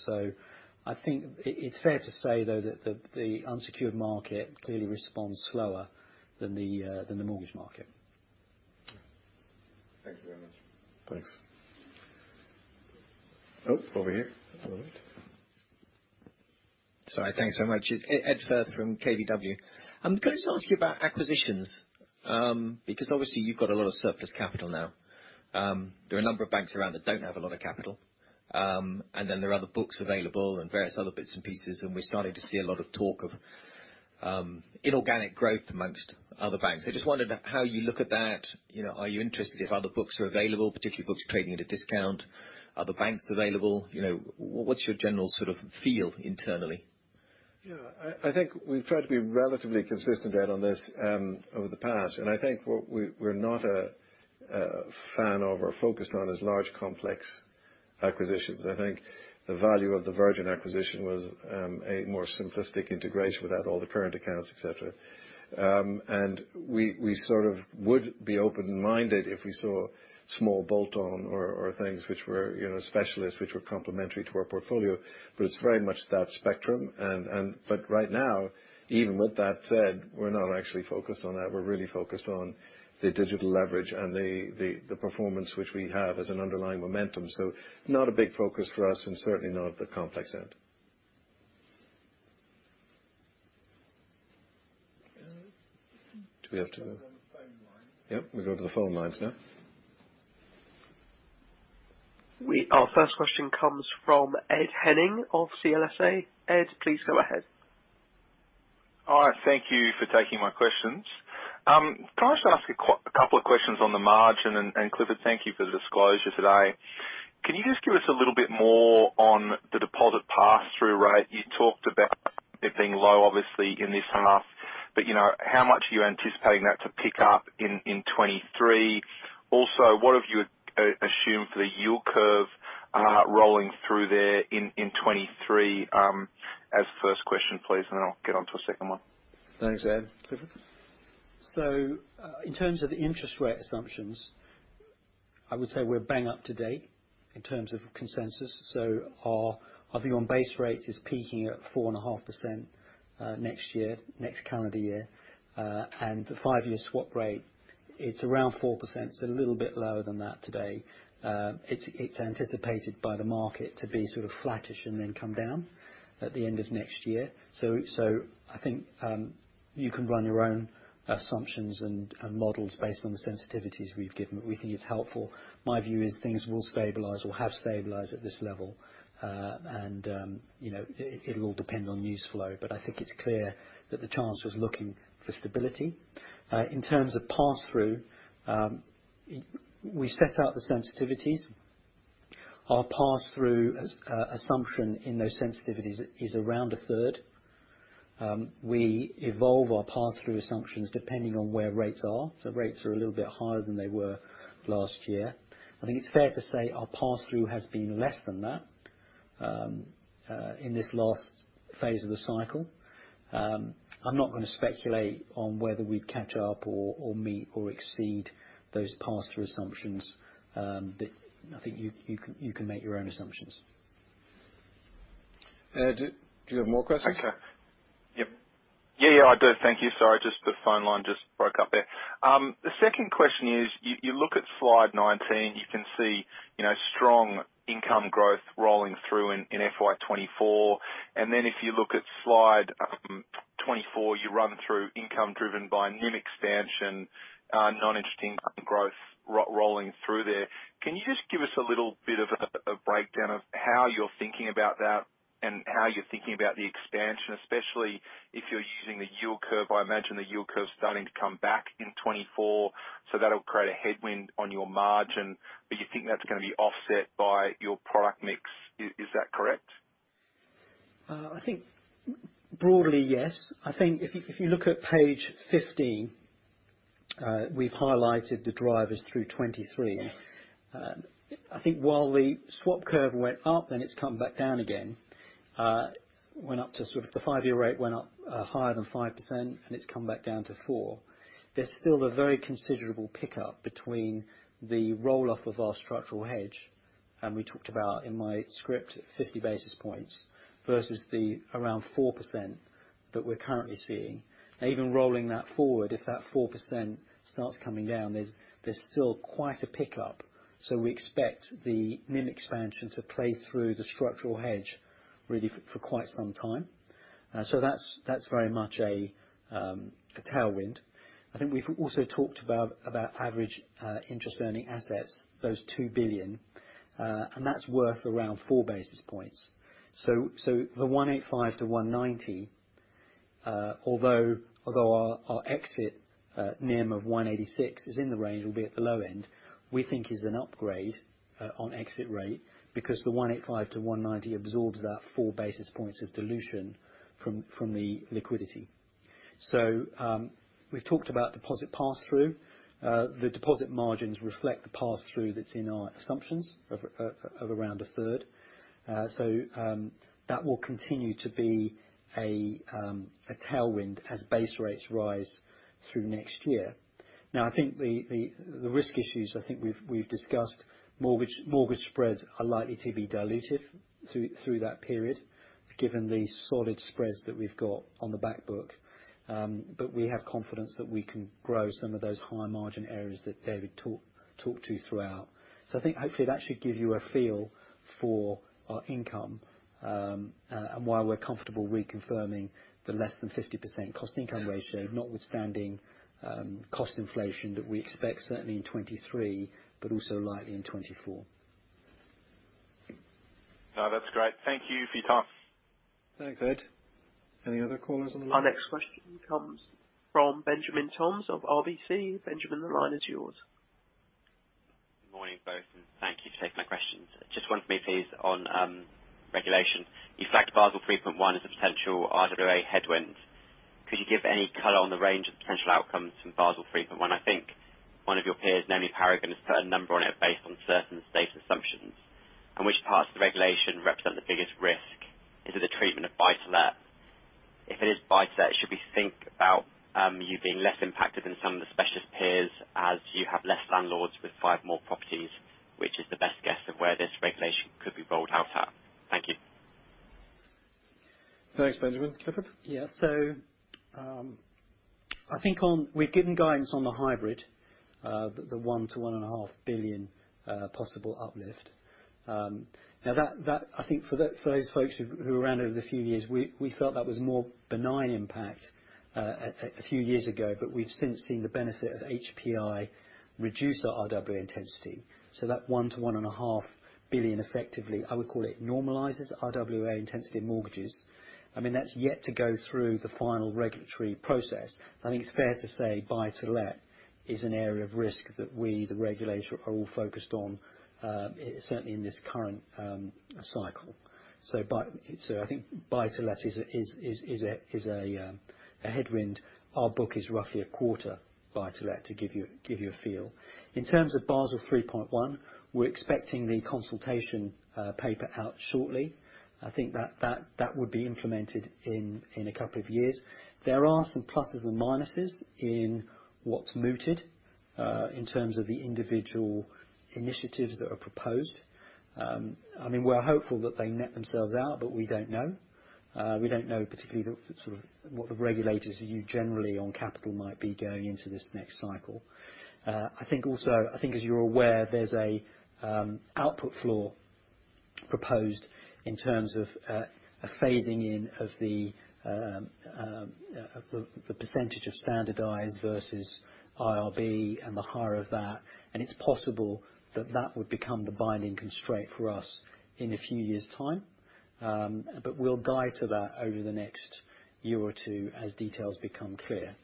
I think it's fair to say though that the unsecured market clearly responds slower than the mortgage market. Thank you very much. Thanks. Oh, over here. All right. Sorry. Thanks so much. It's Ed Firth from KBW. I'm going to ask you about acquisitions, because obviously you've got a lot of surplus capital now. There are a number of banks around that don't have a lot of capital. Then there are other books available and various other bits and pieces, and we're starting to see a lot of talk of inorganic growth amongst other banks. I just wondered how you look at that. You know, are you interested if other books are available, particularly books trading at a discount? Are the banks available? You know, what's your general sort of feel internally? Yeah. I think we've tried to be relatively consistent, Ed, on this over the past. I think what we're not a fan of or focused on is large complex acquisitions. I think the value of the Virgin acquisition was a more simplistic integration without all the current accounts, et cetera. We sort of would be open-minded if we saw small bolt-on or things which were, you know, specialist, which were complementary to our portfolio, but it's very much that spectrum. Right now, even with that said, we're not actually focused on that. We're really focused on the digital leverage and the performance which we have as an underlying momentum. Not a big focus for us and certainly not at the complex end. Do we have to- We'll go to the phone lines. Yep, we'll go to the phone lines now. Our first question comes from Ed Henning of CLSA. Ed, please go ahead. Hi, thank you for taking my questions. Can I just ask a couple of questions on the margin? Clifford, thank you for the disclosure today. Can you just give us a little bit more on the deposit pass-through rate? You talked about being low obviously in this half. You know, how much are you anticipating that to pick up in 2023? Also, what have you assume for the yield curve rolling through there in 2023? As first question please. I'll get on to a second one. Thanks, Ed. Clifford? In terms of the interest rate assumptions, I would say we're bang up to date in terms of consensus. Our view on base rates is peaking at 4.5% next year, next calendar year. The five-year swap rate, it's around 4%, so a little bit lower than that today. It's anticipated by the market to be sort of flattish and then come down at the end of next year. I think you can run your own assumptions and models based on the sensitivities we've given. We think it's helpful. My view is things will stabilize or have stabilized at this level. You know, it'll all depend on news flow. I think it's clear that the Chancellor was looking for stability. In terms of pass-through, we set out the sensitivities. Our pass-through assumption in those sensitivities is around a third. We evolve our pass-through assumptions depending on where rates are. The rates are a little bit higher than they were last year. I think it's fair to say our pass-through has been less than that in this last phase of the cycle. I'm not gonna speculate on whether we'd catch up or meet or exceed those pass-through assumptions. I think you can make your own assumptions. Do you have more questions? Okay. Yep. Yeah, yeah, I do. Thank you. Sorry, just the phone line just broke up there. The second question is, you look at slide 19, you can see, you know, strong income growth rolling through in FY 2024. If you look at slide 24, you run through income driven by NIM expansion, non-interesting growth rolling through there. Can you just give us a breakdown of how you're thinking about that and how you're thinking about the expansion, especially if you're using the yield curve? I imagine the yield curve starting to come back in 2024, so that'll create a headwind on your margin. You think that's gonna be offset by your product mix. Is that correct? I think broadly, yes. I think if you look at page 15, we've highlighted the drivers through 2023. I think while the swap curve went up, it's come back down again. Went up to sort of the five-year rate, went up higher than 5% and it's come back down to four. There's still a very considerable pickup between the roll-off of our structural hedge, and we talked about in my script, at 50 basis points versus the around 4% that we're currently seeing. Even rolling that forward, if that 4% starts coming down, there's still quite a pickup. We expect the NIM expansion to play through the structural hedge really for quite some time. That's very much a tailwind. I think we've also talked about average interest earning assets, those 2 billion, and that's worth around four basis points. The 1.85%-1.90%, although our exit NIM of 1.86% is in the range, it'll be at the low end. We think is an upgrade on exit rate because the 1.85%-1.90% absorbs that four basis points of dilution from the liquidity. We've talked about deposit pass-through. The deposit margins reflect the pass-through that's in our assumptions of around a third. That will continue to be a tailwind as base rates rise through next year. I think the risk issues, I think we've discussed mortgage spreads are likely to be diluted through that period, given the solid spreads that we've got on the back book. We have confidence that we can grow some of those high margin areas that David talked to you throughout. I think hopefully that should give you a feel for our income and why we're comfortable reconfirming the less than 50% cost income ratio, notwithstanding cost inflation that we expect certainly in 2023, but also likely in 2024. No, that's great. Thank you for your time. Thanks, Ed. Any other callers on the line? Our next question comes from Benjamin Toms of RBC. Benjamin, the line is yours. Good morning, both, and thank you for taking my questions. Just one for me please on regulation. You flagged Basel 3.1 as a potential RWA headwind. Could you give any color on the range of potential outcomes from Basel 3.1? I think one of your peers, namely Paragon, has put a number on it based on certain state assumptions. Which parts of the regulation represent the biggest risk? Is it the treatment of buy-to-let? If it is buy-to-let, should we think about you being less impacted than some of the specialist peers as you have less landlords with five more properties? Which is the best guess of where this regulation could be rolled out at? Thank you. Thanks, Benjamin. Clifford? I think we've given guidance on the hybrid, the 1 billion to 1.5 billion possible uplift. That I think for that, for those folks who were around over the few years, we felt that was more benign impact a few years ago, but we've since seen the benefit of HPI reduce our RWA intensity. That 1 billion to 1.5 billion effectively, I would call it normalizes RWA intensity in mortgages. That's yet to go through the final regulatory process. I think it's fair to say buy-to-let is an area of risk that we, the regulator, are all focused on, certainly in this current cycle. I think buy-to-let is a headwind. Our book is roughly a quarter buy to let, to give you a feel. In terms of Basel 3.1, we're expecting the consultation paper out shortly. I think that would be implemented in two years. There are some pluses and minuses in what's mooted in terms of the individual initiatives that are proposed. I mean, we're hopeful that they net themselves out, but we don't know. We don't know particularly the sort of what the regulators view generally on capital might be going into this next cycle. I think as you're aware, there's a output floor proposed in terms of a phasing in of the percentage of standardized versus IRB and the higher of that. It's possible that that would become the binding constraint for us in a few years' time. We'll guide to that over the next year or two as details become clear.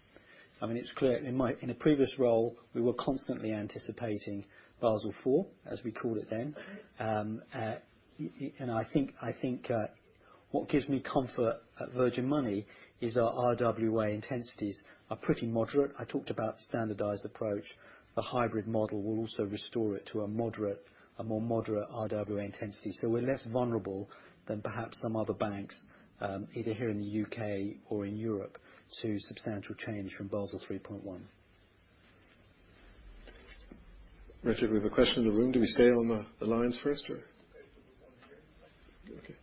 I mean, it's clear. In a previous role, we were constantly anticipating Basel IV, as we called it then. I think, what gives me comfort at Virgin Money is our RWA intensities are pretty moderate. I talked about standardized approach. The hybrid model will also restore it to a moderate, a more moderate RWA intensity. We're less vulnerable than perhaps some other banks, either here in the U.K. or in Europe, to substantial change from Basel 3.1. Richard, we have a question in the room. Do we stay on the lines first, or? Stay for this one here. Okay.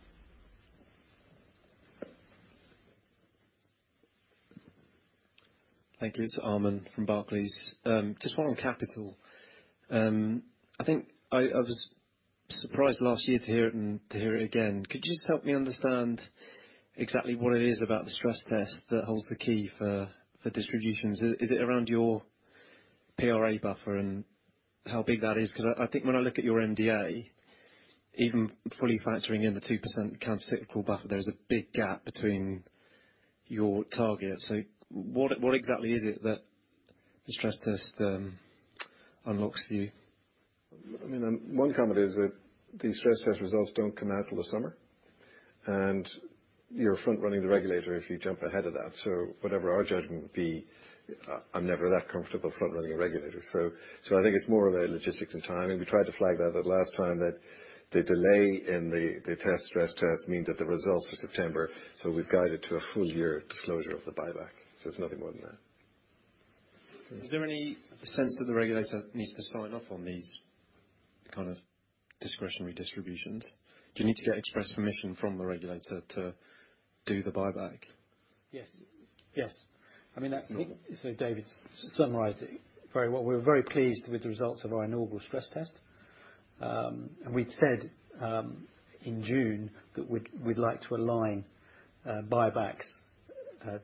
Thank you. It's Aman from Barclays. Just one on capital. I think I was surprised last year to hear it and to hear it again. Could you just help me understand exactly what it is about the stress test that holds the key for distributions? Is it around your PRA buffer and how big that is? 'Cause I think when I look at your NDA, even fully factoring in the 2% countercyclical buffer, there is a big gap between your target. What, what exactly is it that the stress test unlocks for you? I mean, one comment is that the stress test results don't come out till the summer. You're front-running the regulator if you jump ahead of that. Whatever our judgment would be, I'm never that comfortable front-running a regulator. I think it's more of a logistics and timing. We tried to flag that at last time that the delay in the stress test mean that the results are September, we've guided to a full year disclosure of the buyback. It's nothing more than that. Is there any sense that the regulator needs to sign off on these kind of discretionary distributions? Do you need to get express permission from the regulator to do the buyback? Yes. I mean. Sure. David summarized it very well. We're very pleased with the results of our inaugural stress test. We'd said in June that we'd like to align buybacks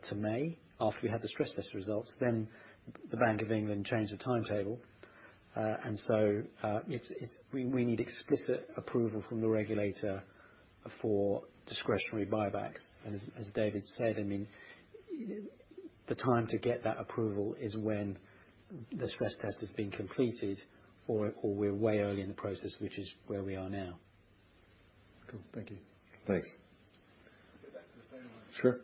to May after we had the stress test results. The Bank of England changed the timetable. We need explicit approval from the regulator for discretionary buybacks. David said, I mean, the time to get that approval is when the stress test has been completed or we're way early in the process, which is where we are now. Cool. Thank you. Thanks. Let's go back to the phone line. Sure.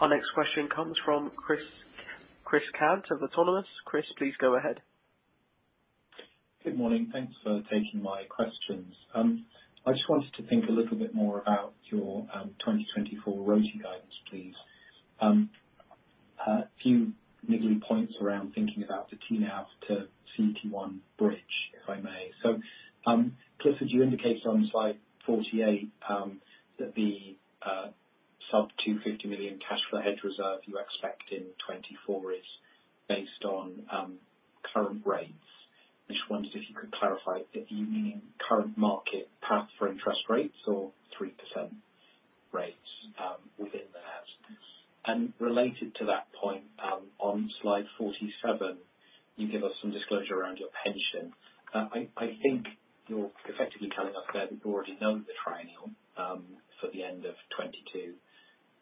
Our next question comes from Christopher Cant of Autonomous Research. Chris, please go ahead. Good morning. Thanks for taking my questions. I just wanted to think a little bit more about your 2024 RoTE guidance, please. A few niggly points around thinking about the TNAV to CET1 bridge, if I may. Clifford, you indicated on slide 48 that the sub 250 million cash flow hedge reserve you expect in 2024 is based on current rates. I just wondered if you could clarify if you mean current market path for interest rates or 3% rates within that. Related to that point, on slide 47, you give us some disclosure around your pension. I think you're effectively telling us there that you already know the triennial for the end of 2022,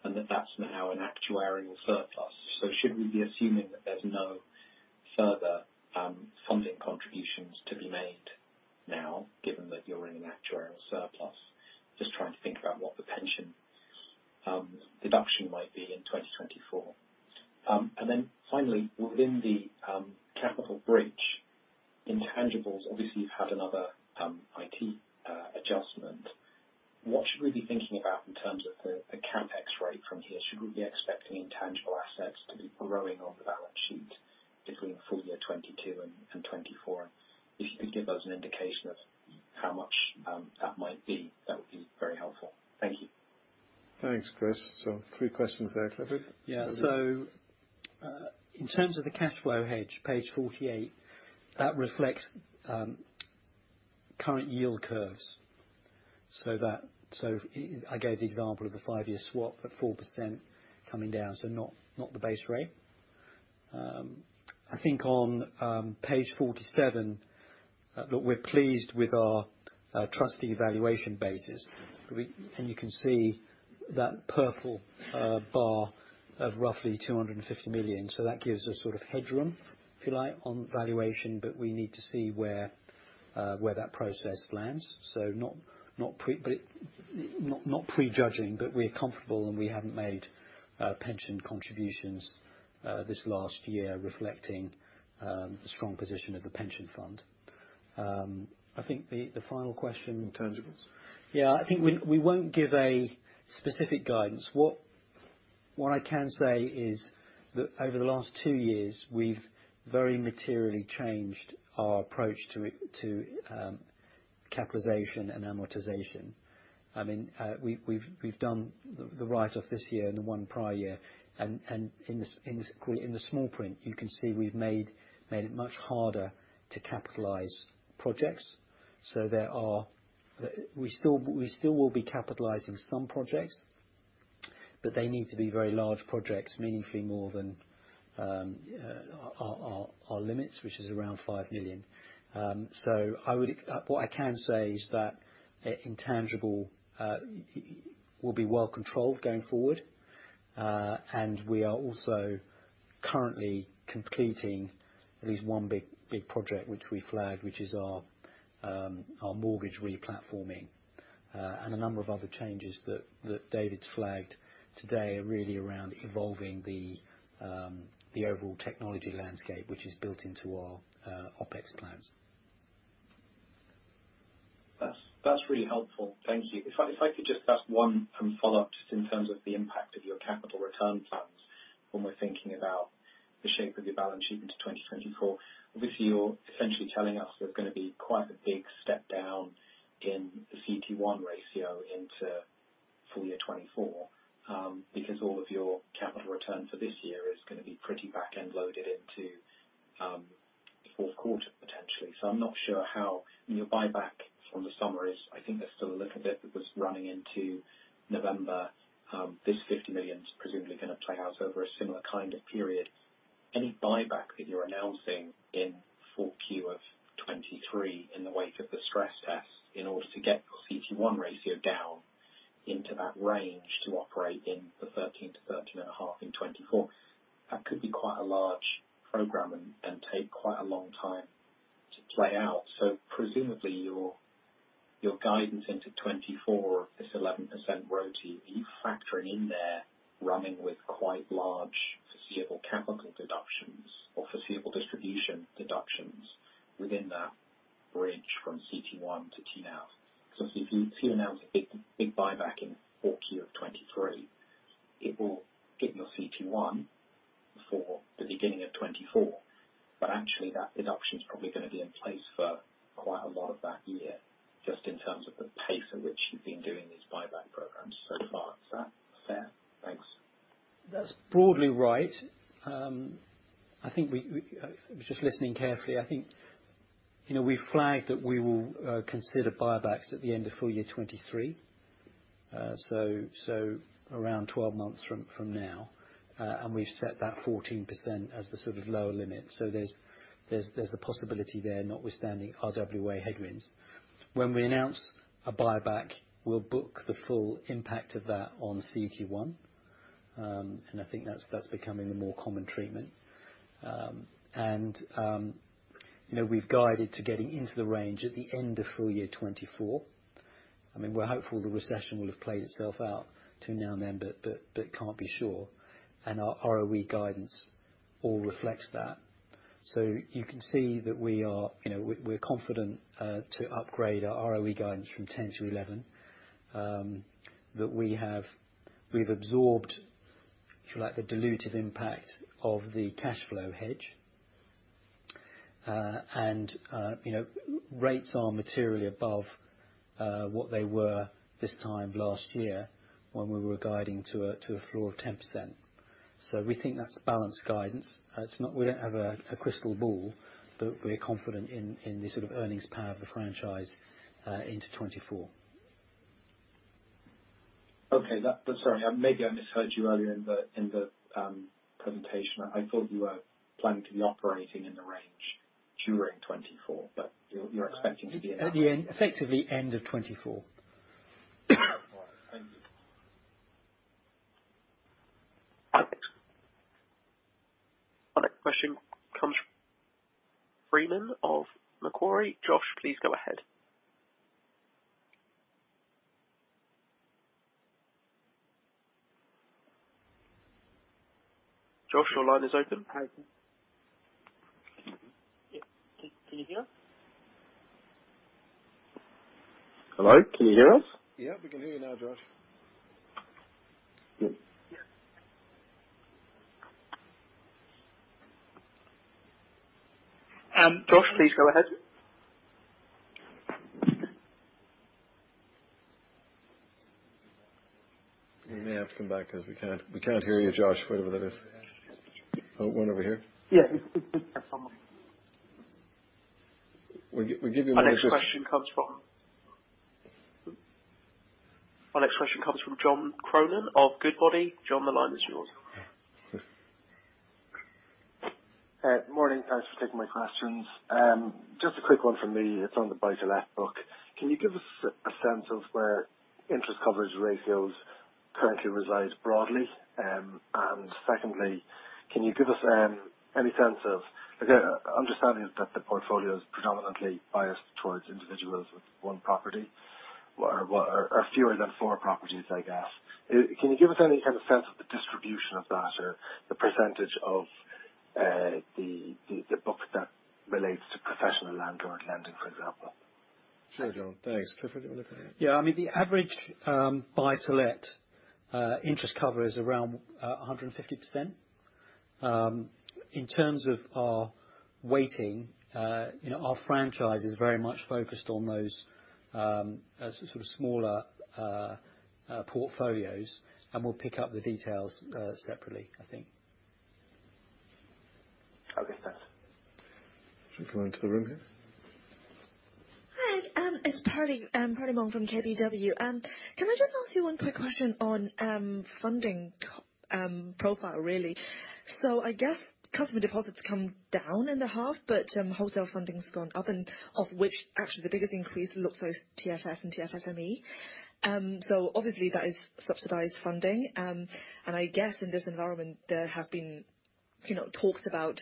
and that that's now an actuarial surplus. Should we be assuming that there's no further funding contributions to be made now, given that you're in an actuarial surplus? Just trying to think about what the pension deduction might be in 2024. Finally, within the capital bridge intangibles, obviously you've had another IT adjustment. What should we be thinking about in terms of the CapEx rate from here? Should we be expecting intangible assets to be growing on the balance sheet between full year 2022 and 2024? If you could give us an indication of how much that might be, that would be very helpful. Thank you. Thanks, Chris. three questions there, Clifford. Yeah. In terms of the cash flow hedge, page 48, that reflects current yield curves. I gave the example of the five-year swap at 4% coming down, so not the base rate. I think on page 47, look, we're pleased with our trustee evaluation basis. You can see that purple bar of roughly 250 million. That gives us sort of headroom, if you like, on valuation, but we need to see where that process lands. Not, not pre-judging, but we're comfortable, and we haven't made pension contributions this last year reflecting the strong position of the pension fund. I think the final question... Intangibles. Yeah. I think we won't give a specific guidance. What I can say is that over the last two years, we've very materially changed our approach to it, to capitalization and amortization. I mean, we've done the write-off this year and the one prior year. In the small print, you can see we've made it much harder to capitalize projects. We still will be capitalizing some projects, but they need to be very large projects, meaningfully more than our limits, which is around 5 million. What I can say is that intangible will be well controlled going forward. We are also currently completing at least one big, big project which we flagged, which is our mortgage replatforming. A number of other changes that David's flagged today are really around evolving the overall technology landscape, which is built into our OpEx plans. That's really helpful. Thank you. If I could just ask one follow-up just in terms of the impact of your capital return plans when we're thinking about the shape of your balance sheet into 2024. Obviously, you're essentially telling us there's gonna be quite a big step down in the CET1 ratio into full year 2024, because all of your capital return for this year is gonna be pretty back-end loaded into the fourth quarter, potentially. I'm not sure how your buyback from the summer is. I think there's still a little bit that was running into November. This 50 million's presumably gonna play out over a similar kind of period. Any buyback that you're announcing in full Q of 2023 in the wake of the stress test in order to get your CET1 ratio down into that range to operate in the 13-13.5% in 2024, that could be quite a large program and take quite a long time to play out. Presumably, your guidance into 2024 is 11% RoTE. Are you factoring in there running with quite large foreseeable capital deductions or foreseeable distribution deductions within that range from CET1 to TLAC? If you announce a big buyback in full Q of 2023, it will get your CET1 for the beginning of 2024. Actually, that deduction is probably gonna be in place for quite a lot of that year, just in terms of the pace at which you've been doing these buyback programs so far. Is that fair? Thanks. That's broadly right. I think I was just listening carefully. I think, you know, we flagged that we will consider buybacks at the end of full year 2023. So around 12 months from now. And we've set that 14% as the sort of lower limit. There's the possibility there, notwithstanding RWA headwinds. When we announce a buyback, we'll book the full impact of that on CET1. And I think that's becoming the more common treatment. And, you know, we've guided to getting into the range at the end of full year 2024. I mean, we're hopeful the recession will have played itself out to now then, but can't be sure. Our ROE guidance all reflects that. You can see that we are, you know, we're confident to upgrade our ROE guidance from 10%-11%. That we have, we've absorbed, if you like, the dilutive impact of the cash flow hedge. You know, rates are materially above what they were this time last year when we were guiding to a, to a floor of 10%. We think that's balanced guidance. We don't have a crystal ball, but we're confident in the sort of earnings power of the franchise into 2024. Okay. sorry, maybe I misheard you earlier in the presentation. I thought you were planning to be operating in the range during 2024, but you're expecting At the end. Effectively end of 2024. All right. Thank you. Our next question comes from Freeman of Macquarie. Josh, please go ahead. Josh, your line is open. Yeah. Can you hear? Hello, can you hear us? Yeah, we can hear you now, Josh. Josh, please go ahead. We may have to come back 'cause we can't hear you, Josh, whatever that is. Oh, one over here. Yeah. We'll give you one moment. Our next question comes from John Cronin of Goodbody. John, the line is yours. Morning. Thanks for taking my questions. Just a quick one from me. It's on the buy to let book. Can you give us a sense of where interest coverage ratios currently reside broadly? Secondly, can you give us any sense of... Again, understanding that the portfolio is predominantly biased towards individuals with one property or fewer than four properties, I guess? Can you give us any kind of sense of the distribution of that or the percentage of the book that relates to professional landlord lending, for example? Sure, John. Thanks. Clifford, do you wanna take that? Yeah. I mean, the average buy to let interest cover is around 150%. In terms of our weighting, you know, our franchise is very much focused on those sort of smaller portfolios. We'll pick up the details separately, I think. Okay. Thanks. Should we come into the room here? Hi. It's Pardi, Pardimont from KBW. Can I just ask you one quick question on funding profile, really? I guess customer deposits come down in the half, but wholesale funding's gone up, and of which actually the biggest increase looks like TFS and TFSME. Obviously that is subsidized funding. I guess in this environment, there have been, you know, talks about,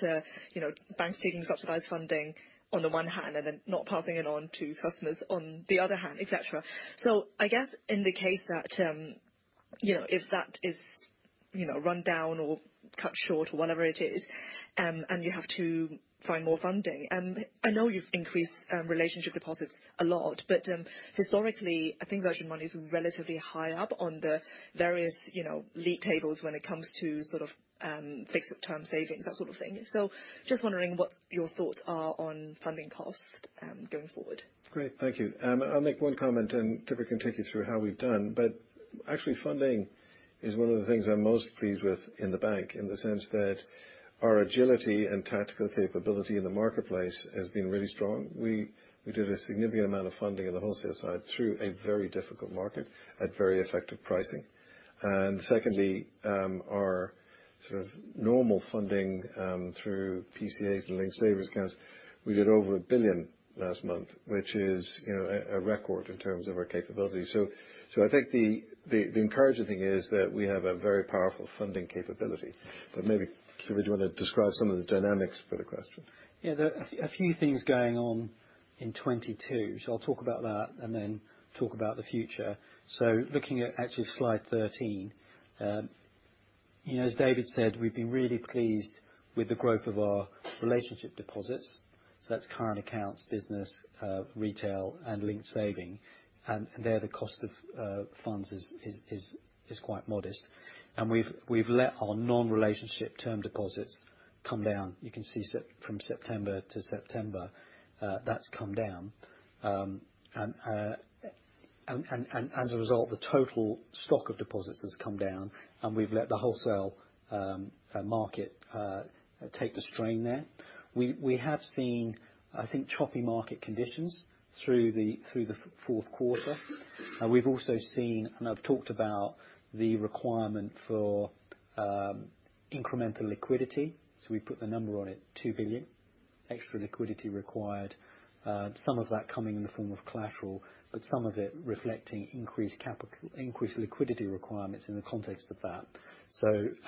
you know, banks taking subsidized funding on the one hand and then not passing it on to customers on the other hand, et cetera. I guess in the case that, you know, if that is, you know, run down or cut short or whatever it is, and you have to find more funding, I know you've increased, relationship deposits a lot, but historically, I think Virgin Money is relatively high up on the various, you know, league tables when it comes to sort of, fixed term savings, that sort of thing. Just wondering what your thoughts are on funding costs, going forward. Great. Thank you. I'll make one comment, and Clifford can take you through how we've done. Actually funding is one of the things I'm most pleased with in the bank, in the sense that our agility and tactical capability in the marketplace has been really strong. We did a significant amount of funding in the wholesale side through a very difficult market at very effective pricing. secondly, our sort of normal funding through PCAs and linked savings accounts, we did over 1 billion last month, which is, you know, a record in terms of our capability. I think the encouraging thing is that we have a very powerful funding capability. Maybe, Clifford, you want to describe some of the dynamics for the question? There are a few things going on in 22. I'll talk about that and then talk about the future. Looking at actually slide 13, you know, as David said, we've been really pleased with the growth of our relationship deposits, that's current accounts, business, retail, and linked saving. There, the cost of funds is quite modest. We've let our non-relationship term deposits come down. You can see from September to September, that's come down. As a result, the total stock of deposits has come down, and we've let the wholesale market take the strain there. We have seen, I think, choppy market conditions through the fourth quarter. We've also seen, and I've talked about the requirement for incremental liquidity. We put the number on it, 2 billion extra liquidity required, some of that coming in the form of collateral, but some of it reflecting increased liquidity requirements in the context of that.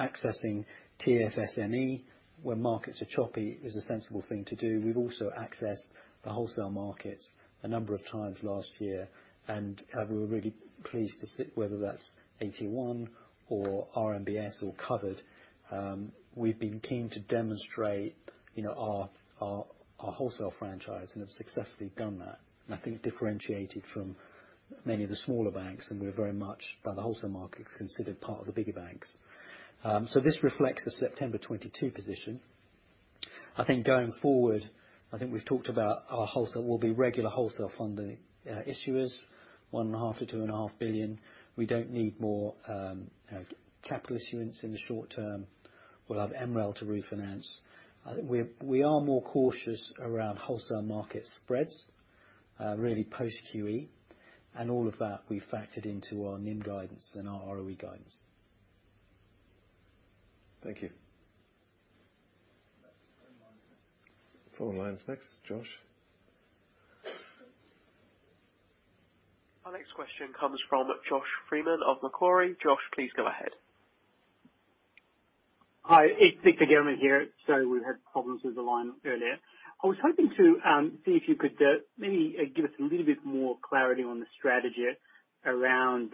Accessing TFSME where markets are choppy is a sensible thing to do. We've also accessed the wholesale markets a number of times last year, and we were really pleased to see whether that's AT1 or RMBS or covered. We've been keen to demonstrate, you know, our wholesale franchise and have successfully done that. I think differentiated from many of the smaller banks, and we're very much by the wholesale market considered part of the bigger banks. This reflects the September 2022 position. I think going forward, we've talked about our wholesale. We'll be regular wholesale funding, issuers, 1.5 billion-2.5 billion. We don't need more, you know, capital issuance in the short term. We'll have MREL to refinance. I think we are more cautious around wholesale market spreads, really post QE, and all of that we factored into our NIM guidance and our ROE guidance. Thank you. Next. Phone line's next. Josh? Our next question comes from Josh Freeman of Macquarie. Josh, please go ahead. Hi. It's Victor German here. Sorry, we had problems with the line earlier. I was hoping to see if you could maybe give us a little bit more clarity on the strategy around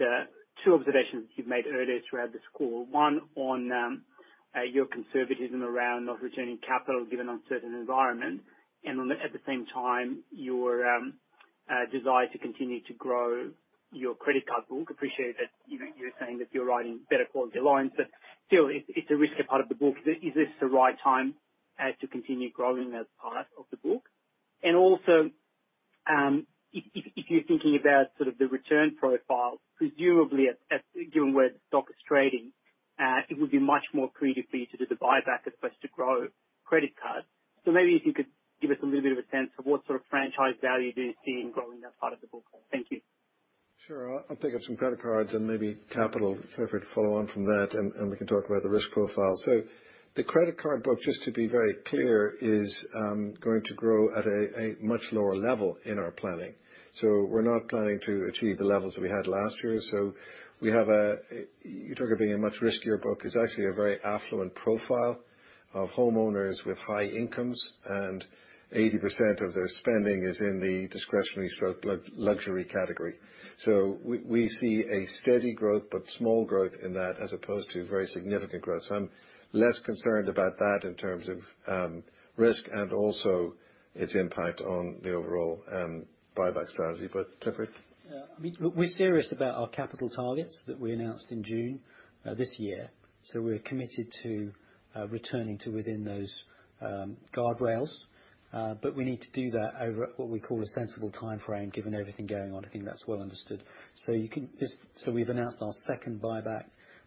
two observations you've made earlier throughout this call. One on your conservatism around not returning capital given uncertain environment, and at the same time, your desire to continue to grow your credit card book. Appreciate that, you know, you're saying that you're riding better quality lines, but still, it's a riskier part of the book. Is this the right time to continue growing that part of the book? If you're thinking about sort of the return profile, presumably at given where the stock is trading, it would be much more accretive for you to do the buyback as opposed to grow credit card. Maybe if you could give us a little bit of a sense of what sort of franchise value do you see in growing that part of the book? Thank you. Sure. I'll pick up some credit cards and maybe capital, so if we're to follow on from that, and we can talk about the risk profile. The credit card book, just to be very clear, is going to grow at a much lower level in our planning. We're not planning to achieve the levels that we had last year. You talk of being a much riskier book. It's actually a very affluent profile of homeowners with high incomes, and 80% of their spending is in the discretionary luxury category. We see a steady growth but small growth in that as opposed to very significant growth. I'm less concerned about that in terms of risk and also its impact on the overall buyback strategy. Cliff? Yeah. We're serious about our capital targets that we announced in June this year. We're committed to returning to within those guardrails. We need to do that over what we call a sensible timeframe, given everything going on. I think that's well understood. We've announced our second buyback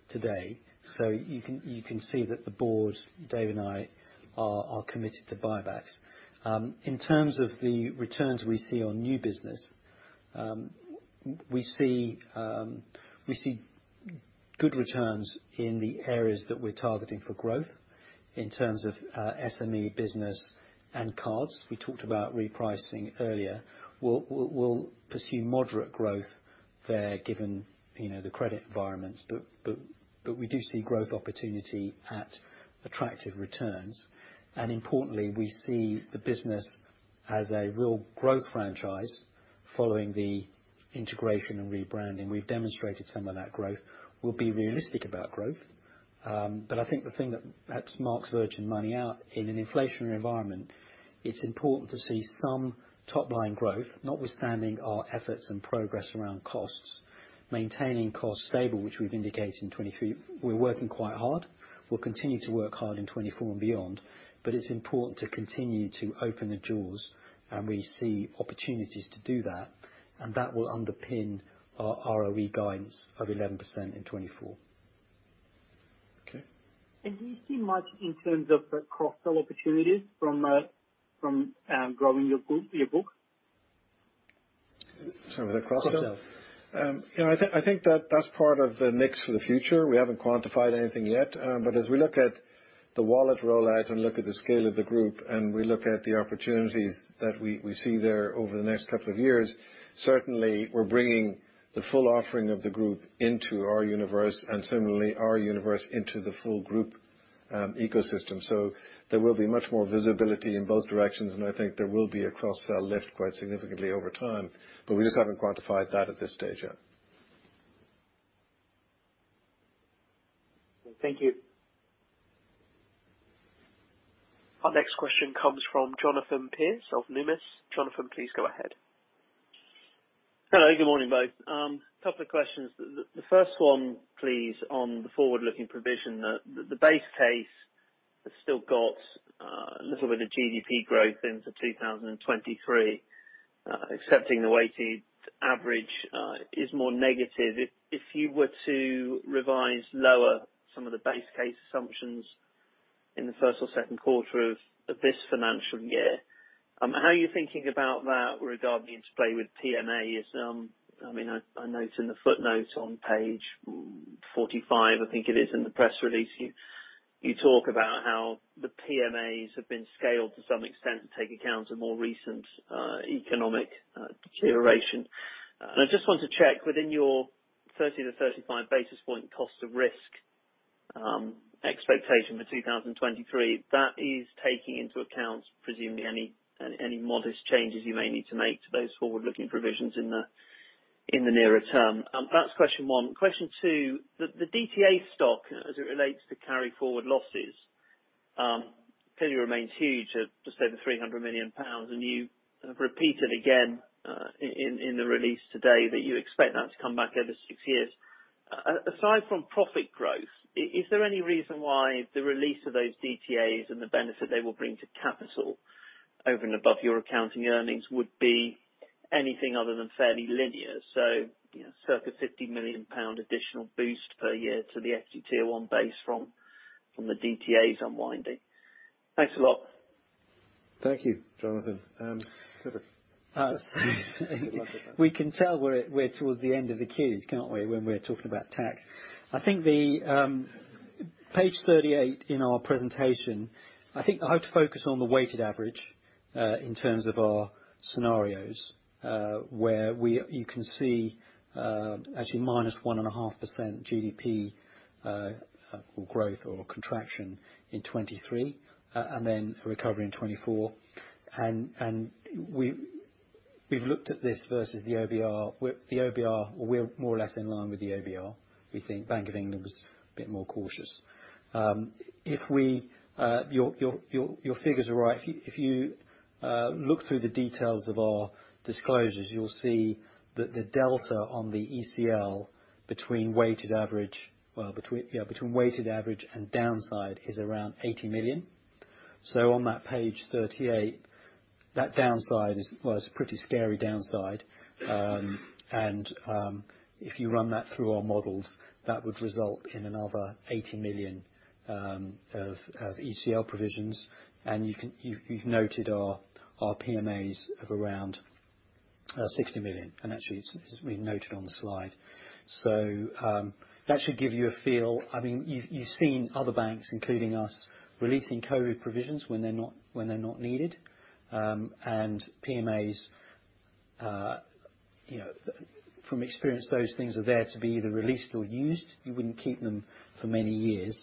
today, you can see that the board, Dave and I are committed to buybacks. In terms of the returns we see on new business, we see good returns in the areas that we're targeting for growth in terms of SME business and cards. We talked about repricing earlier. We'll pursue moderate growth there, given, you know, the credit environments. We do see growth opportunity at attractive returns. Importantly, we see the business as a real growth franchise following the integration and rebranding. We've demonstrated some of that growth. We'll be realistic about growth. I think the thing that perhaps marks Virgin Money out in an inflationary environment, it's important to see some top-line growth, notwithstanding our efforts and progress around costs. Maintaining costs stable, which we've indicated in 2023, we're working quite hard. We'll continue to work hard in 2024 and beyond, but it's important to continue to open the doors, and we see opportunities to do that, and that will underpin our ROE guidance of 11% in 2024. Okay. Do you see much in terms of the cross-sell opportunities from growing your book? Sorry, was that cross-sell? Cross-sell. Yeah, I think that that's part of the mix for the future. We haven't quantified anything yet. As we look at the wallet rollout and look at the scale of the group, and we look at the opportunities that we see there over the next two years, certainly we're bringing the full offering of the group into our universe, and similarly, our universe into the full group ecosystem. There will be much more visibility in both directions, and I think there will be a cross-sell lift quite significantly over time, but we just haven't quantified that at this stage yet. Thank you. Our next question comes from Jonathan Pearce of Numis. Jonathan, please go ahead. Hello, good morning, both. Couple of questions. The first one, please, on the forward-looking provision. The base case has still got a little bit of GDP growth into 2023. Accepting the weighted average is more negative. If you were to revise lower some of the base case assumptions in the first or second quarter of this financial year, how are you thinking about that regarding the interplay with PMAs? I mean, I note in the footnote on page 45, I think it is, in the press release, you talk about how the PMAs have been scaled to some extent to take account of more recent economic deterioration. I just want to check, within your 30 to 35 basis point cost of risk, expectation for 2023, that is taking into account presumably any modest changes you may need to make to those forward-looking provisions in the nearer term. That's question one. Question two. The DTA stock as it relates to carry forward losses, clearly remains huge at just over 300 million pounds, and you have repeated again, in the release today that you expect that to come back over six years. Aside from profit growth, is there any reason why the release of those DTAs and the benefit they will bring to capital over and above your accounting earnings would be anything other than fairly linear? you know, circa 50 million pound additional boost per year to the CET1 base from the DTAs unwinding. Thanks a lot. Thank you, Jonathan. Tiffere. We can tell we're towards the end of the queues, can't we, when we're talking about tax. I think the page 38 in our presentation, I think I ought to focus on the weighted average in terms of our scenarios, where you can see actually -1.5% GDP growth or contraction in 2023, and then a recovery in 2024. We've looked at this versus the OBR. The OBR, we're more or less in line with the OBR. We think Bank of England was a bit more cautious. If we, your figures are right. If you look through the details of our disclosures, you'll see that the delta on the ECL between weighted average... Well, between, yeah, between weighted average and downside is around 80 million. On that page 38, that downside is, well, it's a pretty scary downside. If you run that through our models, that would result in another 80 million of ECL provisions. You've noted our PMAs of around 60 million, and actually it's been noted on the slide. That should give you a feel. I mean, you've seen other banks, including us, releasing COVID provisions when they're not needed. PMAs, you know, from experience, those things are there to be either released or used. You wouldn't keep them for many years.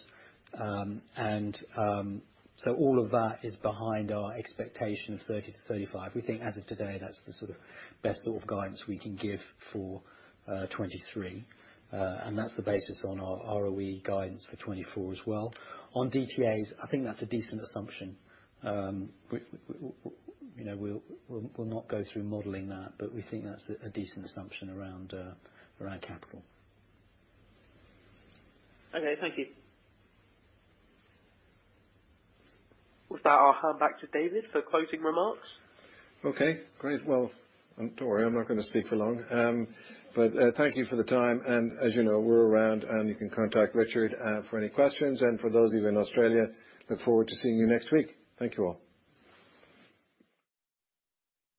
All of that is behind our expectation of 30-35. We think as of today, that's the sort of best sort of guidance we can give for 2023. That's the basis on our ROE guidance for 2024 as well. On DTAs, I think that's a decent assumption. You know, we'll not go through modeling that, but we think that's a decent assumption around capital. Okay, thank you. With that, I'll hand back to David for closing remarks. Okay, great. Well, don't worry, I'm not gonna speak for long. Thank you for the time. As you know, we're around and you can contact Richard for any questions. For those of you in Australia, look forward to seeing you next week. Thank you all.